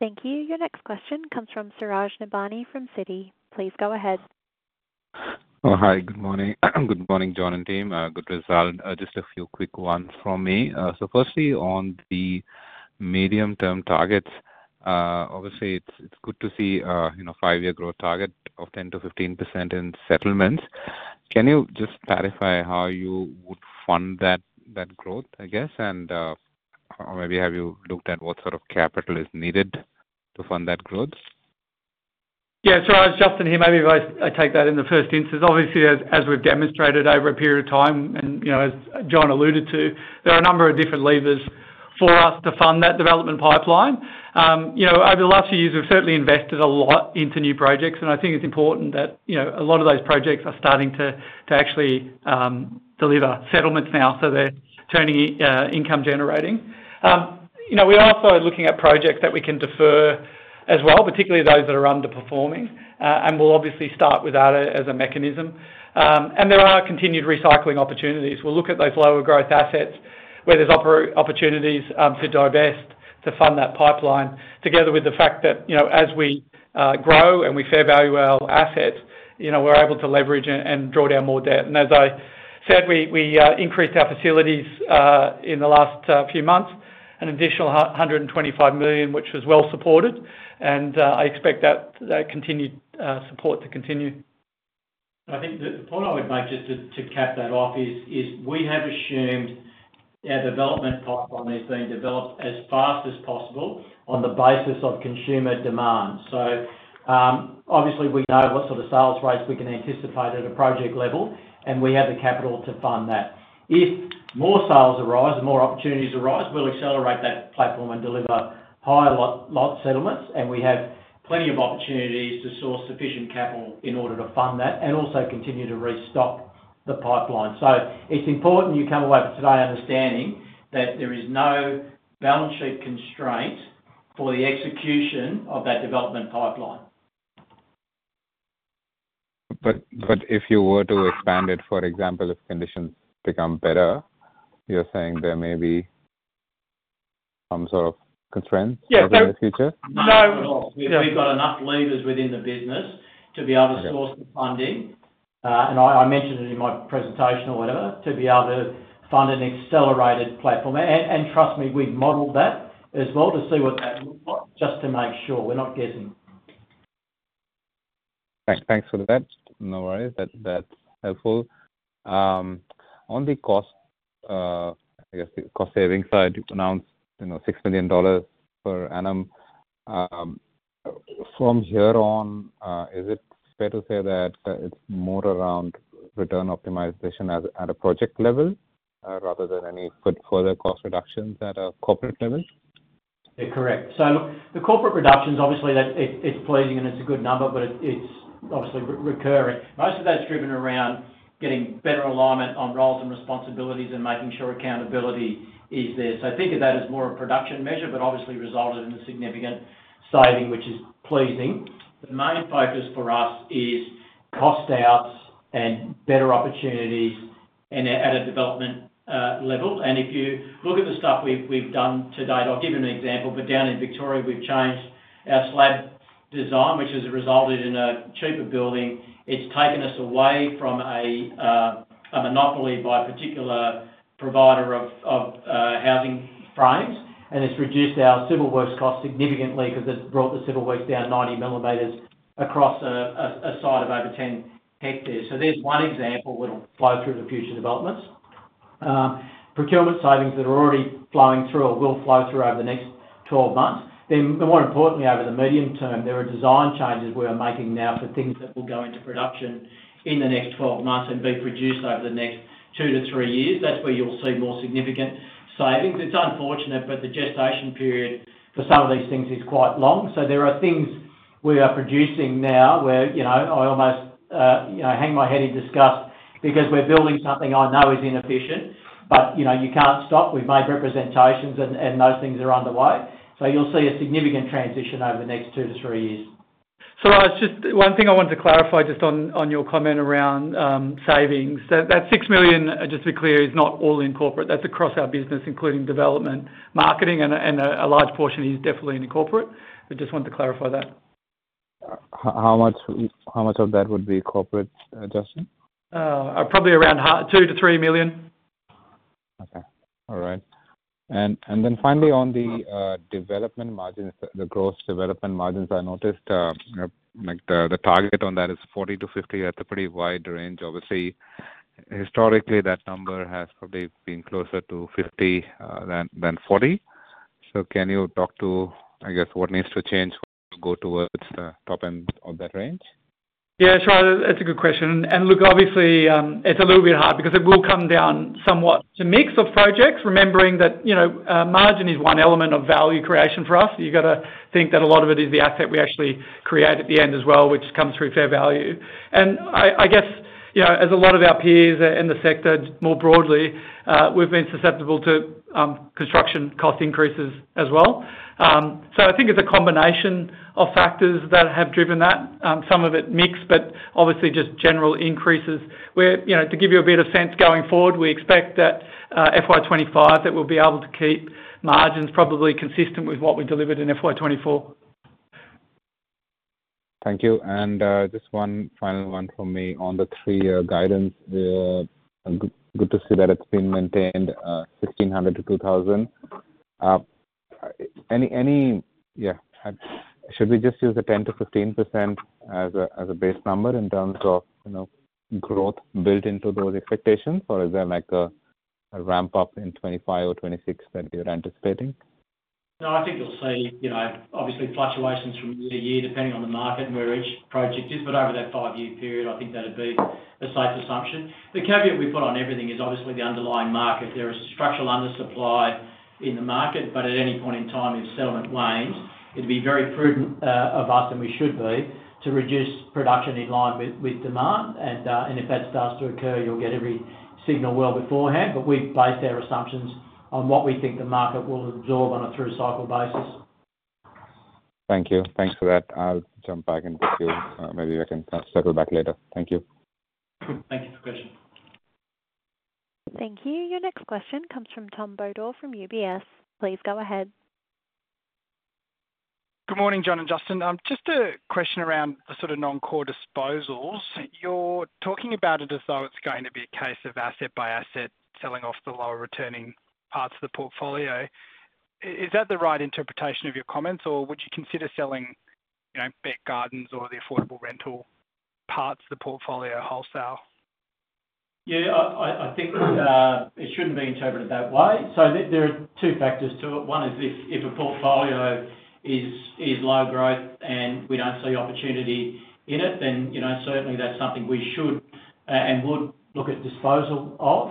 Thank you. Your next question comes from Suraj Nebhani from Citi. Please go ahead. Oh, hi, good morning. Good morning, John and team. Good result. Just a few quick ones from me. So firstly, on the medium-term targets, obviously it's good to see, you know, five-year growth target of 10%-15% in settlements. Can you just clarify how you would fund that growth, I guess? And, or maybe have you looked at what sort of capital is needed to fund that growth? Yeah, Suraj, Justin here. Maybe if I take that in the first instance. Obviously, as we've demonstrated over a period of time, and, you know, as John alluded to, there are a number of different levers for us to fund that development pipeline. You know, over the last few years, we've certainly invested a lot into new projects, and I think it's important that, you know, a lot of those projects are starting to actually deliver settlements now, so they're turning income generating. You know, we're also looking at projects that we can defer as well, particularly those that are underperforming, and we'll obviously start with that as a mechanism, and there are continued recycling opportunities. We'll look at those lower growth assets where there's opportunities to divest, to fund that pipeline, together with the fact that, you know, as we grow and we fair value our assets, you know, we're able to leverage and draw down more debt, and as I said, we increased our facilities in the last few months, an additional 125 million, which was well supported, and I expect that continued support to continue. I think the point I would make, just to cap that off is we have assumed our development pipeline is being developed as fast as possible on the basis of consumer demand. So, obviously, we know what sort of sales rates we can anticipate at a project level, and we have the capital to fund that. If more sales arise and more opportunities arise, we'll accelerate that platform and deliver higher lot settlements, and we have plenty of opportunities to source sufficient capital in order to fund that, and also continue to restock the pipeline. So it's important you come away from today understanding that there is no balance sheet constraint for the execution of that development pipeline. But if you were to expand it, for example, if conditions become better, you're saying there may be some sort of constraints- Yeah. So in the future? No. We've got enough levers within the business to be able to source Yeah the funding. And I mentioned it in my presentation or whatever, to be able to fund an accelerated platform. And trust me, we've modeled that as well to see what that looks like, just to make sure we're not guessing. Thanks. Thanks for that. No worries. That, that's helpful. On the cost-saving side, you announced, you know, 6 million dollars per annum. From here on, is it fair to say that it's more around return optimization at a project level, rather than any further cost reductions at a corporate level? Yeah, correct. So the corporate reductions, obviously, that it's pleasing and it's a good number, but it's obviously recurring. Most of that's driven around getting better alignment on roles and responsibilities and making sure accountability is there. So think of that as more a production measure, but obviously resulted in a significant saving, which is pleasing. The main focus for us is cost outs and better opportunities and at a development level. And if you look at the stuff we've done to date, I'll give you an example, but down in Victoria, we've changed our slab design, which has resulted in a cheaper building. It's taken us away from a monopoly by a particular provider of housing frames, and it's reduced our civil works cost significantly because it's brought the civil works down ninety millimeters across a site of over 10 hectares. So there's one example that'll flow through the future developments. Procurement savings that are already flowing through or will flow through over the next 12 months. Then, but more importantly, over the medium term, there are design changes we are making now for things that will go into production in the next 12 months and be produced over the next two to three years. That's where you'll see more significant savings. It's unfortunate, but the gestation period for some of these things is quite long. So there are things we are producing now where, you know, I almost, you know, hang my head in disgust because we're building something I know is inefficient, but, you know, you can't stop. We've made representations and those things are underway. So you'll see a significant transition over the next two to three years. So just one thing I wanted to clarify just on your comment around savings. That six million, just to be clear, is not all in corporate. That's across our business, including development, marketing, and a large portion is definitely in the corporate. I just wanted to clarify that. How much, how much of that would be corporate adjustment? Probably around two to three million. Okay. All right. And then finally, on the development margins, the gross development margins, I noticed, like, the target on that is 40-50. That's a pretty wide range. Obviously, historically, that number has probably been closer to 50 than 40. So can you talk to, I guess, what needs to change to go towards the top end of that range? Yeah, sure. That's a good question. And look, obviously, it's a little bit hard because it will come down somewhat to mix of projects, remembering that, you know, margin is one element of value creation for us. You gotta think that a lot of it is the asset we actually create at the end as well, which comes through fair value. And I guess, you know, as a lot of our peers in the sector, more broadly, we've been susceptible to construction cost increases as well. So I think it's a combination of factors that have driven that, some of it mix, but obviously just general increases. You know, to give you a bit of sense going forward, we expect that FY 2025, that we'll be able to keep margins probably consistent with what we delivered in FY 2024. Thank you, and just one final one from me. On the three-year guidance, good to see that it's been maintained, 1,600 to 2,000. Yeah, should we just use the 10%-15% as a base number in terms of, you know, growth built into those expectations, or is there, like, a ramp up in 2025 or 2026 that you're anticipating? No, I think you'll see, you know, obviously fluctuations from year to year, depending on the market and where each project is. But over that five-year period, I think that'd be a safe assumption. The caveat we put on everything is obviously the underlying market. There is structural undersupply in the market, but at any point in time, if settlement wanes, it'd be very prudent of us, and we should be, to reduce production in line with demand. And, and if that starts to occur, you'll get every signal well beforehand, but we've based our assumptions on what we think the market will absorb on a through-cycle basis. Thank you. Thanks for that. I'll jump back in with you. Maybe I can circle back later. Thank you. Thank you for the question. Thank you. Your next question comes from Tom Badr from UBS. Please go ahead. Good morning, John and Justin. Just a question around the sort of non-core disposals. You're talking about it as though it's going to be a case of asset by asset, selling off the lower returning parts of the portfolio. Is that the right interpretation of your comments, or would you consider selling, you know, Ingenia Gardens or the affordable rental parts of the portfolio wholesale? Yeah, I think it shouldn't be interpreted that way. So there are two factors to it. One is if a portfolio is low growth and we don't see opportunity in it, then, you know, certainly that's something we should and would look at disposal of.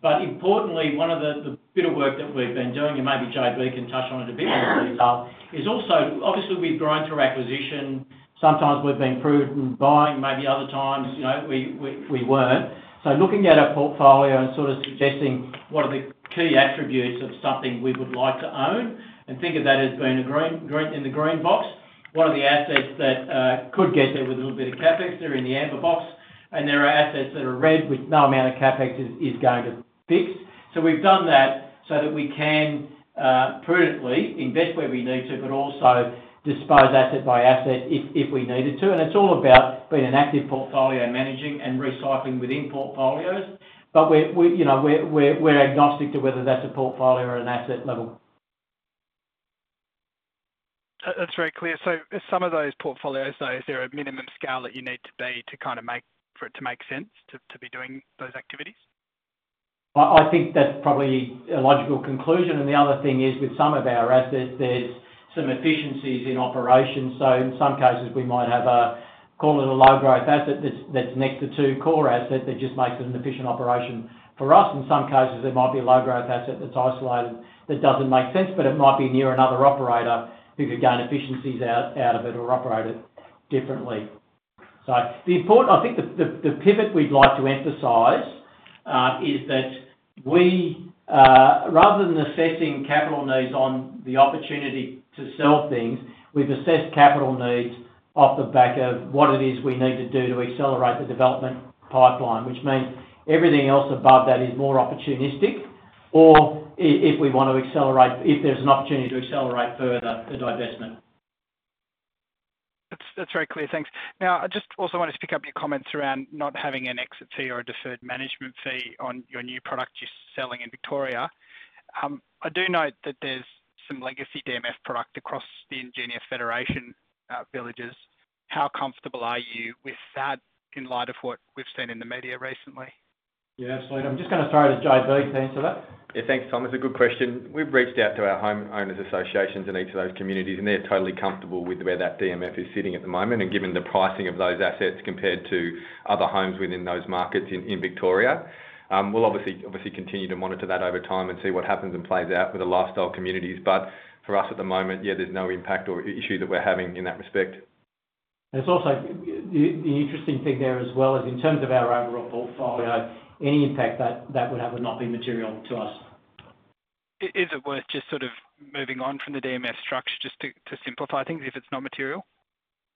But importantly, one of the bit of work that we've been doing, and maybe JB can touch on it a bit more detail, is also obviously, we've grown through acquisition. Sometimes we've been prudent buying, maybe other times, you know, we weren't. So looking at our portfolio and sort of suggesting what are the key attributes of something we would like to own and think of that as being a green, in the green box. What are the assets that could get there with a little bit of CapEx that are in the amber box, and there are assets that are red, which no amount of CapEx is going to fix. So we've done that so that we can prudently invest where we need to, but also dispose asset by asset if we needed to. And it's all about being an active portfolio, managing and recycling within portfolios. But we, you know, we're agnostic to whether that's a portfolio or an asset level. That's very clear. So some of those portfolios, though, is there a minimum scale that you need to be to kind of for it to make sense to be doing those activities? I think that's probably a logical conclusion, and the other thing is, with some of our assets, there's some efficiencies in operation. So in some cases, we might have a, call it a low-growth asset that's next to two core assets that just makes it an efficient operation for us. In some cases, there might be a low-growth asset that's isolated that doesn't make sense, but it might be near another operator who could gain efficiencies out of it or operate it differently. So the important. I think the pivot we'd like to emphasize is that we, rather than assessing capital needs on the opportunity to sell things, we've assessed capital needs off the back of what it is we need to do to accelerate the development pipeline, which means everything else above that is more opportunistic, or if we want to accelerate, if there's an opportunity to accelerate further, a divestment. That's, that's very clear. Thanks. Now, I just also wanted to pick up your comments around not having an exit fee or a deferred management fee on your new product you're selling in Victoria. I do note that there's some legacy DMF product across the Ingenia Federation villages. How comfortable are you with that in light of what we've seen in the media recently? Yeah, absolutely. I'm just gonna throw it to JB to answer that. Yeah, thanks, Tom. It's a good question. We've reached out to our homeowners associations in each of those communities, and they're totally comfortable with where that DMF is sitting at the moment, and given the pricing of those assets compared to other homes within those markets in Victoria. We'll obviously continue to monitor that over time and see what happens and plays out with the Lifestyle Communities. But for us at the moment, yeah, there's no impact or issue that we're having in that respect. And it's also the interesting thing there as well is in terms of our overall portfolio, any impact that would have would not be material to us. Is it worth just sort of moving on from the DMF structure just to simplify things if it's not material?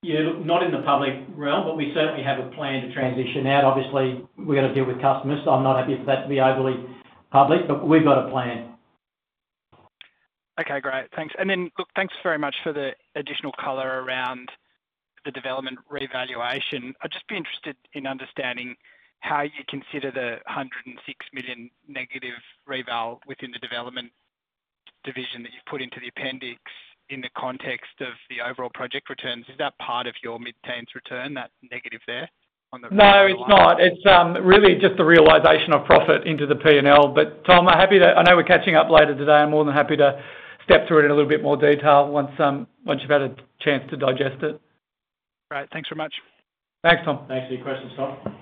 Yeah, look, not in the public realm, but we certainly have a plan to transition out. Obviously, we've got to deal with customers, so I'm not happy for that to be overly public, but we've got a plan. Okay, great. Thanks. And then, look, thanks very much for the additional color around the development revaluation. I'd just be interested in understanding how you consider the 106 million negative reval within the development division that you've put into the appendix in the context of the overall project returns. Is that part of your mid-teens return, that negative there on the No, it's not. It's really just the realization of profit into the P&L, but Tom, I'm happy to. I know we're catching up later today. I'm more than happy to step through it in a little bit more detail once you've had a chance to digest it. Great. Thanks very much. Thanks, Tom. Thanks for your question, Tom.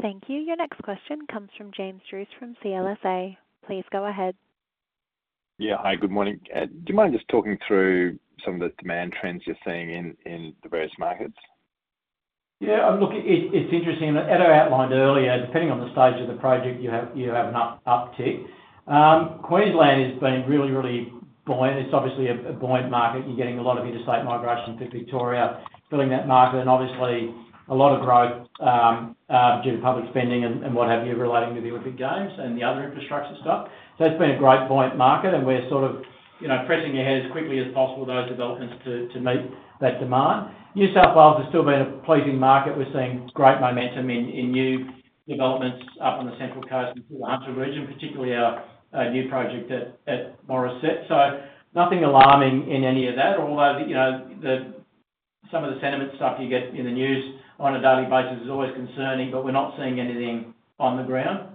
Thank you. Your next question comes from James Druce from CLSA. Please go ahead. Yeah. Hi, good morning. Do you mind just talking through some of the demand trends you're seeing in the various markets? Yeah, look, it's interesting, and as I outlined earlier, depending on the stage of the project, you have an uptick. Queensland has been really, really buoyant. It's obviously a buoyant market. You're getting a lot of interstate migration through Victoria, filling that market and obviously a lot of growth due to public spending and what have you, relating to the Olympic Games and the other infrastructure stuff. So it's been a great buoyant market, and we're sort of, you know, pressing ahead as quickly as possible those developments to meet that demand. New South Wales has still been a pleasing market. We're seeing great momentum in new developments up on the Central Coast into the Hunter Region, particularly our new project at Morisset. So nothing alarming in any of that, although, you know, some of the sentiment stuff you get in the news on a daily basis is always concerning, but we're not seeing anything on the ground.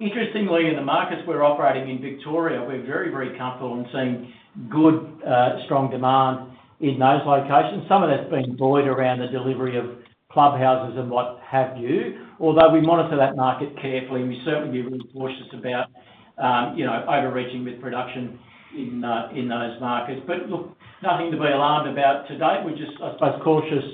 Interestingly, in the markets we're operating in Victoria, we're very, very comfortable and seeing good, strong demand in those locations. Some of that's been buoyed around the delivery of clubhouses and what have you. Although we monitor that market carefully, and we certainly be really cautious about, you know, overreaching with production in those markets. But look, nothing to be alarmed about to date. We're just, I suppose, cautious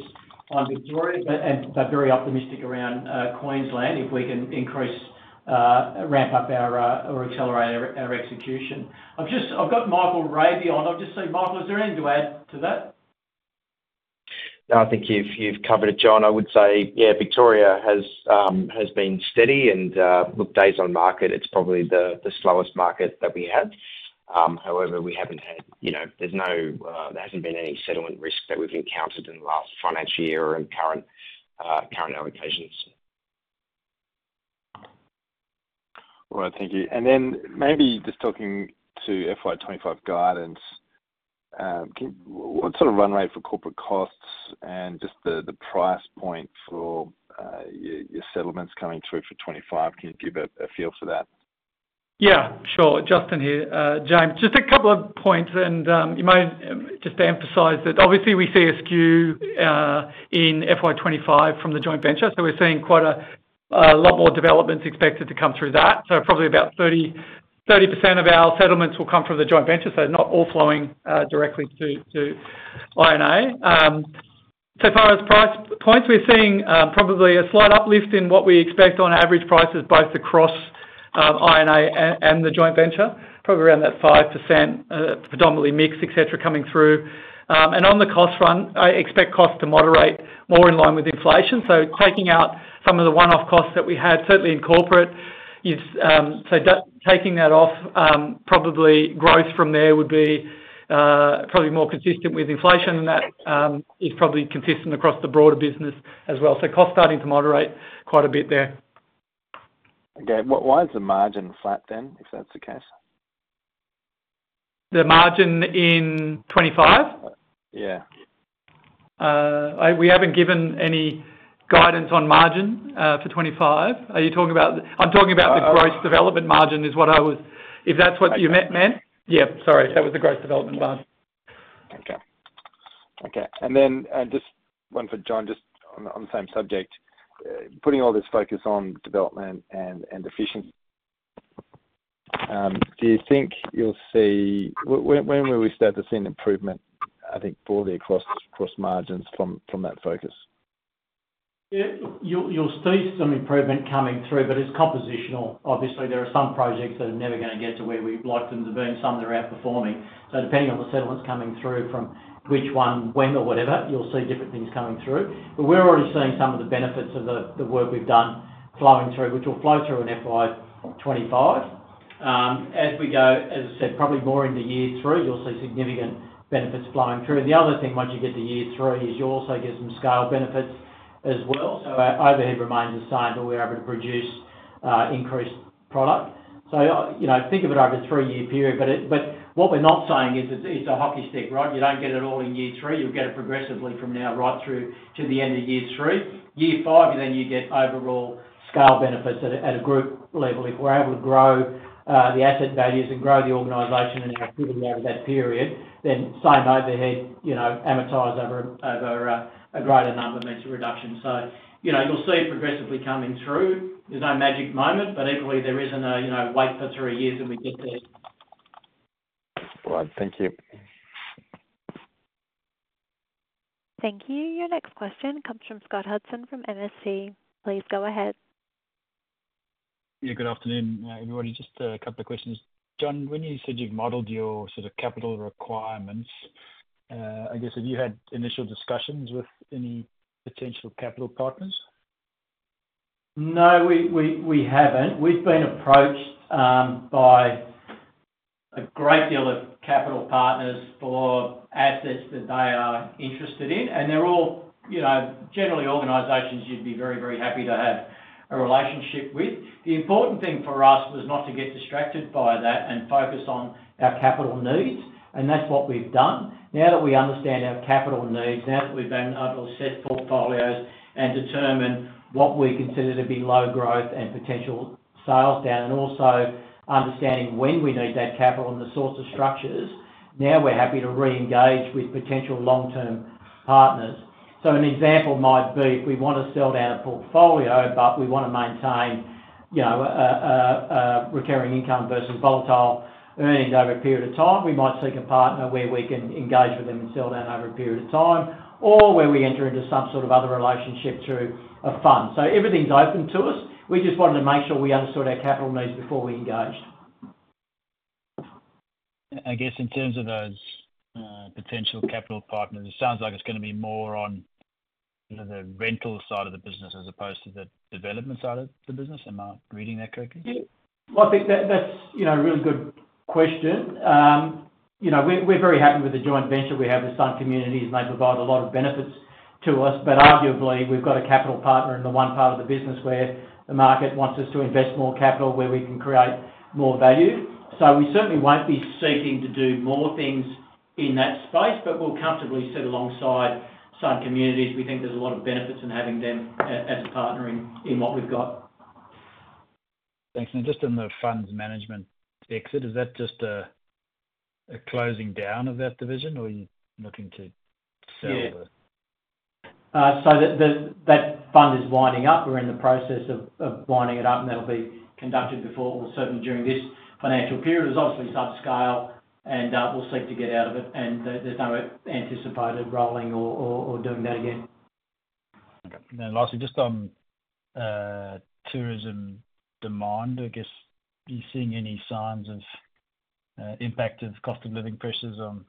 on Victoria, but, and, but very optimistic around Queensland, if we can increase, ramp up our, or accelerate our execution. I've just got Michael Rabey on. I'll just say, Michael, is there anything to add to that? No, I think you've covered it, John. I would say, yeah, Victoria has been steady and look, days on market, it's probably the slowest market that we have. However, we haven't had, you know, there's no there hasn't been any settlement risk that we've encountered in the last financial year or in current allocations. All right, thank you. And then maybe just talking to FY 2025 guidance, what sort of run rate for corporate costs and just the price point for your settlements coming through for 2025? Can you give a feel for that? Yeah, sure. Justin here. James, just a couple of points, and just to emphasize that obviously we see a skew in FY 2025 from the joint venture. So we're seeing quite a lot more developments expected to come through that. So probably about 30% of our settlements will come from the joint venture, so not all flowing directly to Ingenia. So far as price points, we're seeing probably a slight uplift in what we expect on average prices, both across Ingenia and the joint venture. Probably around that 5%, predominantly mixed, et cetera, coming through. And on the cost front, I expect costs to moderate more in line with inflation. So taking out some of the one-off costs that we had, certainly in corporate, is... So that, taking that off, probably growth from there would be probably more consistent with inflation than that is probably consistent across the broader business as well. So cost starting to moderate quite a bit there. Okay. Why is the margin flat then, if that's the case? The margin in 2025? Yeah. We haven't given any guidance on margin for 2025. Are you talking about the I'm talking about the gross development margin, is what I was Okay. If that's what you meant? Yeah, sorry, that was the gross development margin. Okay. Okay, and then, just one for John, just on the same subject. Putting all this focus on development and efficiency, do you think you'll see When will we start to see an improvement, I think, broadly across margins from that focus? Yeah, you'll see some improvement coming through, but it's compositional. Obviously, there are some projects that are never gonna get to where we'd like them to be, and some that are outperforming. So depending on the settlements coming through from which one, when or whatever, you'll see different things coming through. But we're already seeing some of the benefits of the work we've done flowing through, which will flow through in FY 2025. As we go, as I said, probably more into year three, you'll see significant benefits flowing through. The other thing, once you get to year three, is you'll also get some scale benefits as well. So our overhead remains the same, but we're able to produce increased product. So you know, think of it over a three-year period. But what we're not saying is it's a hockey stick, right? You don't get it all in year three. You'll get it progressively from now right through to the end of year three. Year five, and then you get overall scale benefits at a group level. If we're able to grow the asset values and grow the organization and your activity over that period, then same overhead, you know, amortize over a greater number of months of reduction. So, you know, you'll see it progressively coming through. There's no magic moment, but equally, there isn't, you know, wait for three years and we get there. All right. Thank you. Thank you. Your next question comes from Scott Hudson, from MST. Please go ahead. Yeah, good afternoon, everybody. Just a couple of questions. John, when you said you've modeled your sort of capital requirements, I guess, have you had initial discussions with any potential capital partners? No, we haven't. We've been approached by a great deal of capital partners for assets that they are interested in, and they're all, you know, generally organizations you'd be very, very happy to have a relationship with. The important thing for us was not to get distracted by that and focus on our capital needs, and that's what we've done. Now that we understand our capital needs, now that we've been able to set portfolios and determine what we consider to be low growth and potential sales down, and also understanding when we need that capital and the source of structures, now we're happy to reengage with potential long-term partners. So an example might be, if we want to sell down a portfolio, but we want to maintain, you know, a recurring income versus volatile earnings over a period of time, we might seek a partner where we can engage with them and sell down over a period of time, or where we enter into some sort of other relationship through a fund. So everything's open to us. We just wanted to make sure we understood our capital needs before we engaged. I guess, in terms of those potential capital partners, it sounds like it's gonna be more on the rental side of the business as opposed to the development side of the business. Am I reading that correctly? Yeah. Well, I think that, that's, you know, a really good question. You know, we're very happy with the joint venture we have with Sun Communities, and they provide a lot of benefits to us. But arguably, we've got a capital partner in the one part of the business where the market wants us to invest more capital, where we can create more value. So we certainly won't be seeking to do more things in that space, but we'll comfortably sit alongside Sun Communities. We think there's a lot of benefits in having them as a partner in what we've got. Thanks. And just on the funds management exit, is that just a closing down of that division, or are you looking to sell the Yeah. So that fund is winding up. We're in the process of winding it up, and that'll be conducted before or certainly during this financial period. It's obviously subscale, and we'll seek to get out of it, and there's no anticipated rolling or doing that again. Okay. Then lastly, just on tourism demand, I guess, are you seeing any signs of impact of cost of living pressures on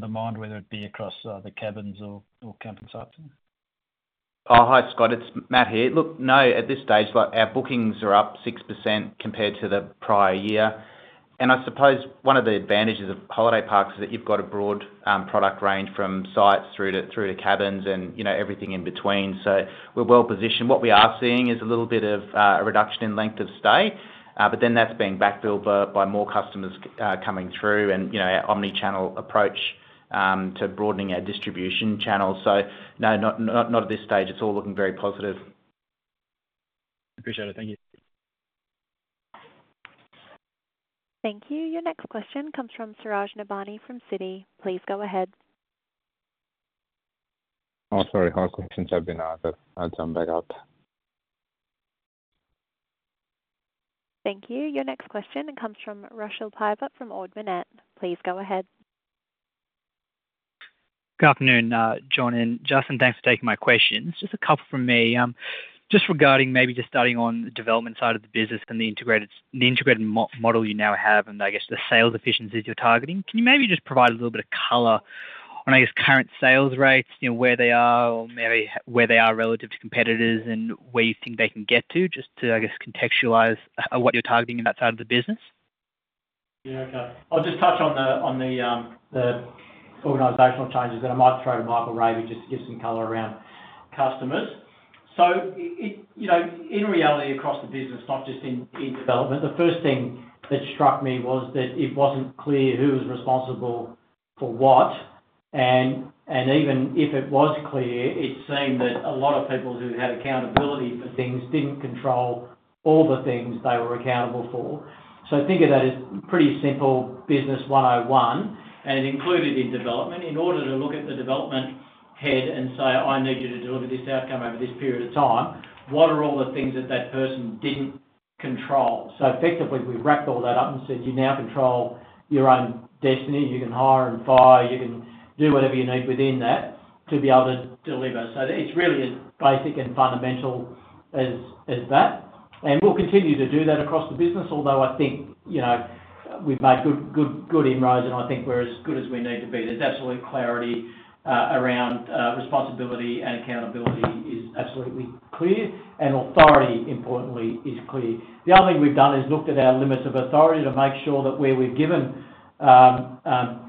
demand, whether it be across the cabins or camping sites? Oh, hi, Scott, it's Matt here. Look, no, at this stage, like, our bookings are up 6% compared to the prior year. And I suppose one of the advantages of holiday parks is that you've got a broad, product range from sites through to cabins and, you know, everything in between. So we're well positioned. What we are seeing is a little bit of, a reduction in length of stay, but then that's being backed over by more customers coming through and, you know, our omni-channel approach, to broadening our distribution channels. So no, not, not, not at this stage. It's all looking very positive. Appreciate it. Thank you. Thank you. Your next question comes from Suraj Nebhani, from Citi. Please go ahead. Oh, sorry, all questions have been asked. I'll jump back out. Thank you. Your next question comes from Rushabh Piya from Ord Minnett. Please go ahead. Good afternoon, John and Justin. Thanks for taking my questions. Just a couple from me. Just regarding maybe just starting on the development side of the business and the integrated model you now have, and I guess the sales efficiencies you're targeting. Can you maybe just provide a little bit of color on, I guess, current sales rates, you know, where they are or maybe where they are relative to competitors, and where you think they can get to, just to, I guess, contextualize what you're targeting in that side of the business? Yeah, okay. I'll just touch on the organizational changes, then I might throw to Michael Rabey, just to give some color around customers. So you know, in reality, across the business, not just in development, the first thing that struck me was that it wasn't clear who was responsible for what. And even if it was clear, it seemed that a lot of people who had accountability for things didn't control all the things they were accountable for. So think of that as pretty simple business 101, and included in development. In order to look at the development head and say: I need you to deliver this outcome over this period of time, what are all the things that that person didn't control? So effectively, we wrapped all that up and said, "You now control your own destiny. You can hire and fire, you can do whatever you need within that to be able to deliver." So it's really as basic and fundamental as that. And we'll continue to do that across the business, although I think, you know, we've made good inroads, and I think we're as good as we need to be. There's absolutely clarity around responsibility, and accountability is absolutely clear, and authority, importantly, is clear. The other thing we've done is looked at our limits of authority to make sure that where we've given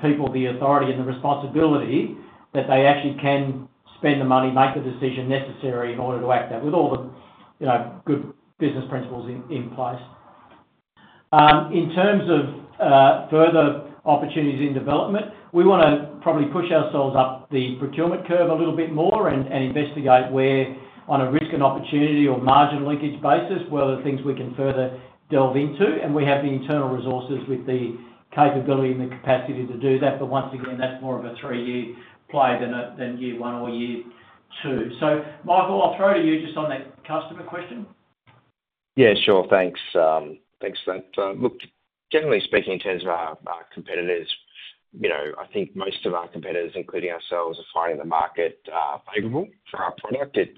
people the authority and the responsibility, that they actually can spend the money, make the decision necessary in order to act that, with all the, you know, good business principles in place. In terms of further opportunities in development, we wanna probably push ourselves up the procurement curve a little bit more and investigate where on a risk and opportunity or margin linkage basis, where are the things we can further delve into. We have the internal resources with the capability and the capacity to do that, but once again, that's more of a three-year play than year one or year two. So Michael, I'll throw to you just on that customer question. Yeah, sure. Thanks, thanks for that. Look, generally speaking, in terms of our competitors, you know, I think most of our competitors, including ourselves, are finding the market favorable for our product. It's.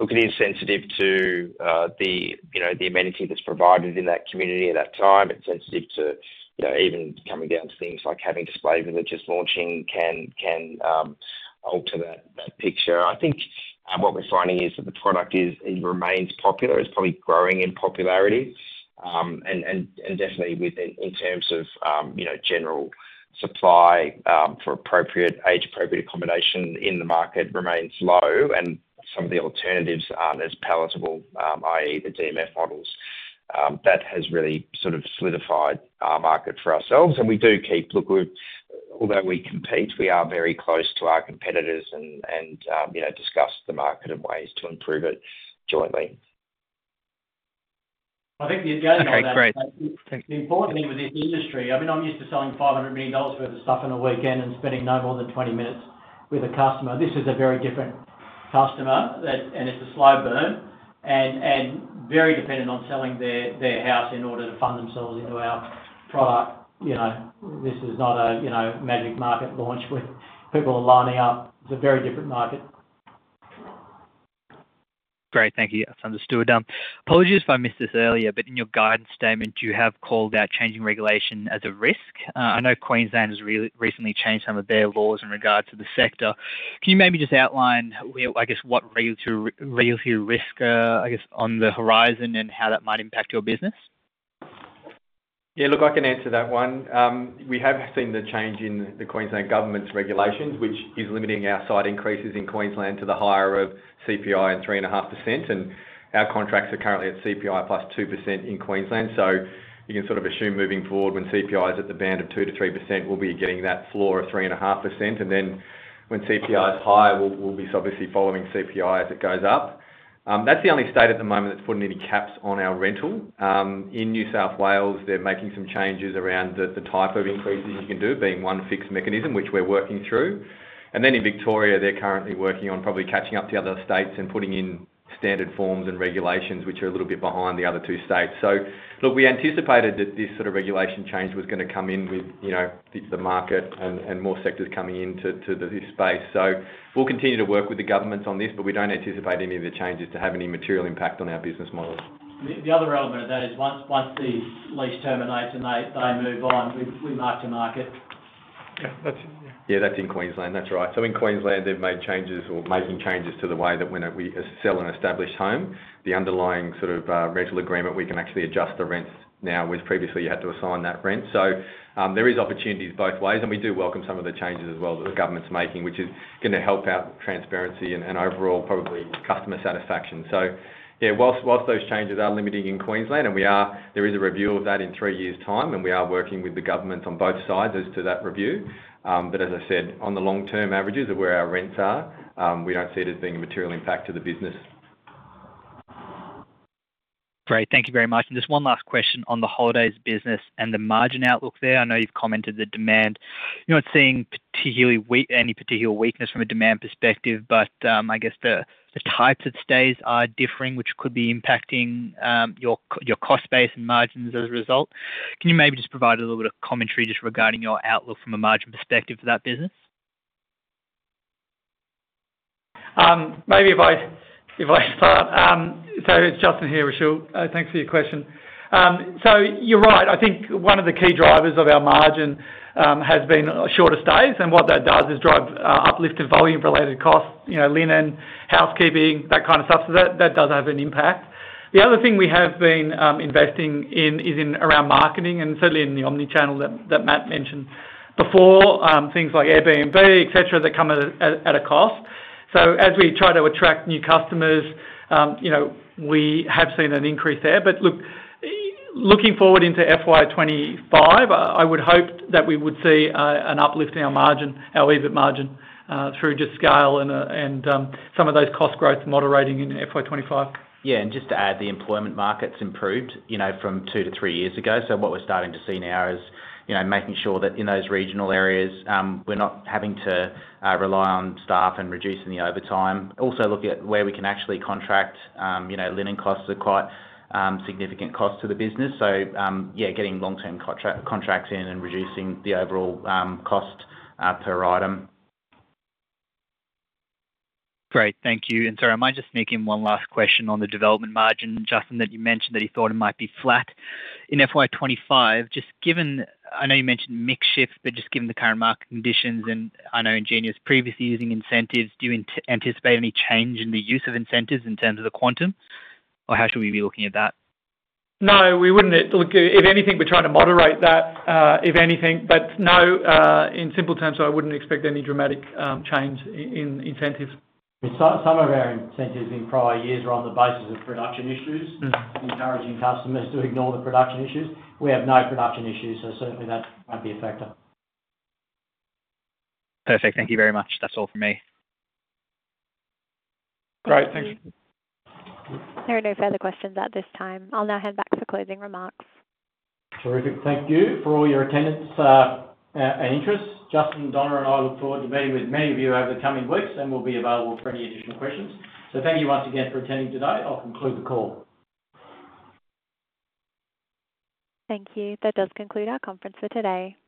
Look, it is sensitive to you know, the amenity that's provided in that community at that time. It's sensitive to, you know, even coming down to things like having display villages launching can alter that picture. I think what we're finding is that the product is. It remains popular. It's probably growing in popularity, and definitely within terms of you know, general supply for age-appropriate accommodation in the market remains low, and some of the alternatives aren't as palatable, i.e., the DMF models. That has really sort of solidified our market for ourselves, and we do keep. Look, although we compete, we are very close to our competitors and, you know, discuss the market and ways to improve it jointly. I think the agenda of that Okay, great. Thanks. The important thing with this industry, I mean, I'm used to selling 500 million dollars worth of stuff in a weekend and spending no more than 20 minutes with a customer. This is a very different customer that and it's a slow burn, and very dependent on selling their house in order to fund themselves into our product. You know, this is not a, you know, magic market launch where people are lining up. It's a very different market. Great. Thank you. That's understood. Apologies if I missed this earlier, but in your guidance statement, you have called out changing regulation as a risk. I know Queensland has recently changed some of their laws in regards to the sector. Can you maybe just outline where, I guess, what regulatory risk, I guess, on the horizon and how that might impact your business? Yeah, look, I can answer that one. We have seen the change in the Queensland Government's regulations, which is limiting our site increases in Queensland to the higher of CPI and 3.5%, and our contracts are currently at CPI plus 2% in Queensland. So you can sort of assume moving forward, when CPI is at the band of 2%-3%, we'll be getting that floor of 3.5%, and then when CPI is higher, we'll be obviously following CPI as it goes up. That's the only state at the moment that's putting any caps on our rental. In New South Wales, they're making some changes around the type of increases you can do, being one fixed mechanism, which we're working through. And then in Victoria, they're currently working on probably catching up to the other states and putting in standard forms and regulations, which are a little bit behind the other two states. So, look, we anticipated that this sort of regulation change was gonna come in with, you know, the market and more sectors coming into this space. So we'll continue to work with the governments on this, but we don't anticipate any of the changes to have any material impact on our business models. The other element of that is once the lease terminates and they move on, we mark to market. Yeah, that's in Queensland. That's right. So in Queensland, they've made changes or making changes to the way that when we sell an established home, the underlying sort of rental agreement, we can actually adjust the rents now, whereas previously you had to assign that rent. So there is opportunities both ways, and we do welcome some of the changes as well, that the government's making, which is gonna help out transparency and overall, probably customer satisfaction. So yeah, whilst those changes are limiting in Queensland, and there is a review of that in three years' time, and we are working with the governments on both sides as to that review. But as I said, on the long-term averages of where our rents are, we don't see it as being a material impact to the business. Great. Thank you very much. And just one last question on the holidays business and the margin outlook there. I know you've commented the demand. You're not seeing any particular weakness from a demand perspective, but I guess the types of stays are differing, which could be impacting your cost base and margins as a result. Can you maybe just provide a little bit of commentary just regarding your outlook from a margin perspective for that business? Maybe if I start. It's Justin here, Suraj, thanks for your question. You're right. I think one of the key drivers of our margin has been shorter stays, and what that does is drive uplift to volume-related costs, you know, linen, housekeeping, that kind of stuff. That does have an impact. The other thing we have been investing in is around marketing and certainly in the omni-channel that Matt mentioned before, things like Airbnb, et cetera, that come at a cost. As we try to attract new customers, you know, we have seen an increase there. But look, looking forward into FY 2025, I would hope that we would see an uplift in our margin, our EBIT margin, through just scale and some of those cost growths moderating in FY 2025. Yeah, and just to add, the employment market's improved, you know, from two to three years ago. So what we're starting to see now is, you know, making sure that in those regional areas, we're not having to rely on staff and reducing the overtime. Also, looking at where we can actually contract, you know, linen costs are quite significant cost to the business. So, yeah, getting long-term contracts in and reducing the overall cost per item. Great. Thank you. And sorry, I might just sneak in one last question on the development margin, Justin, that you mentioned that you thought it might be flat in FY 2025. Just given, I know you mentioned mix shift, but just given the current market conditions, and I know Ingenia previously using incentives, do you anticipate any change in the use of incentives in terms of the quantum, or how should we be looking at that? No, we wouldn't. Look, if anything, we're trying to moderate that, if anything, but no, in simple terms, I wouldn't expect any dramatic change in incentives. Some of our incentives in prior years are on the basis of production issues encouraging customers to ignore the production issues. We have no production issues, so certainly that won't be a factor. Perfect. Thank you very much. That's all for me. Great, thank you. There are no further questions at this time. I'll now hand back for closing remarks. Terrific. Thank you for all your attendance, and interest. Justin, Donna, and I look forward to meeting with many of you over the coming weeks, and we'll be available for any additional questions. So thank you once again for attending today. I'll conclude the call. Thank you. That does conclude our conference for today.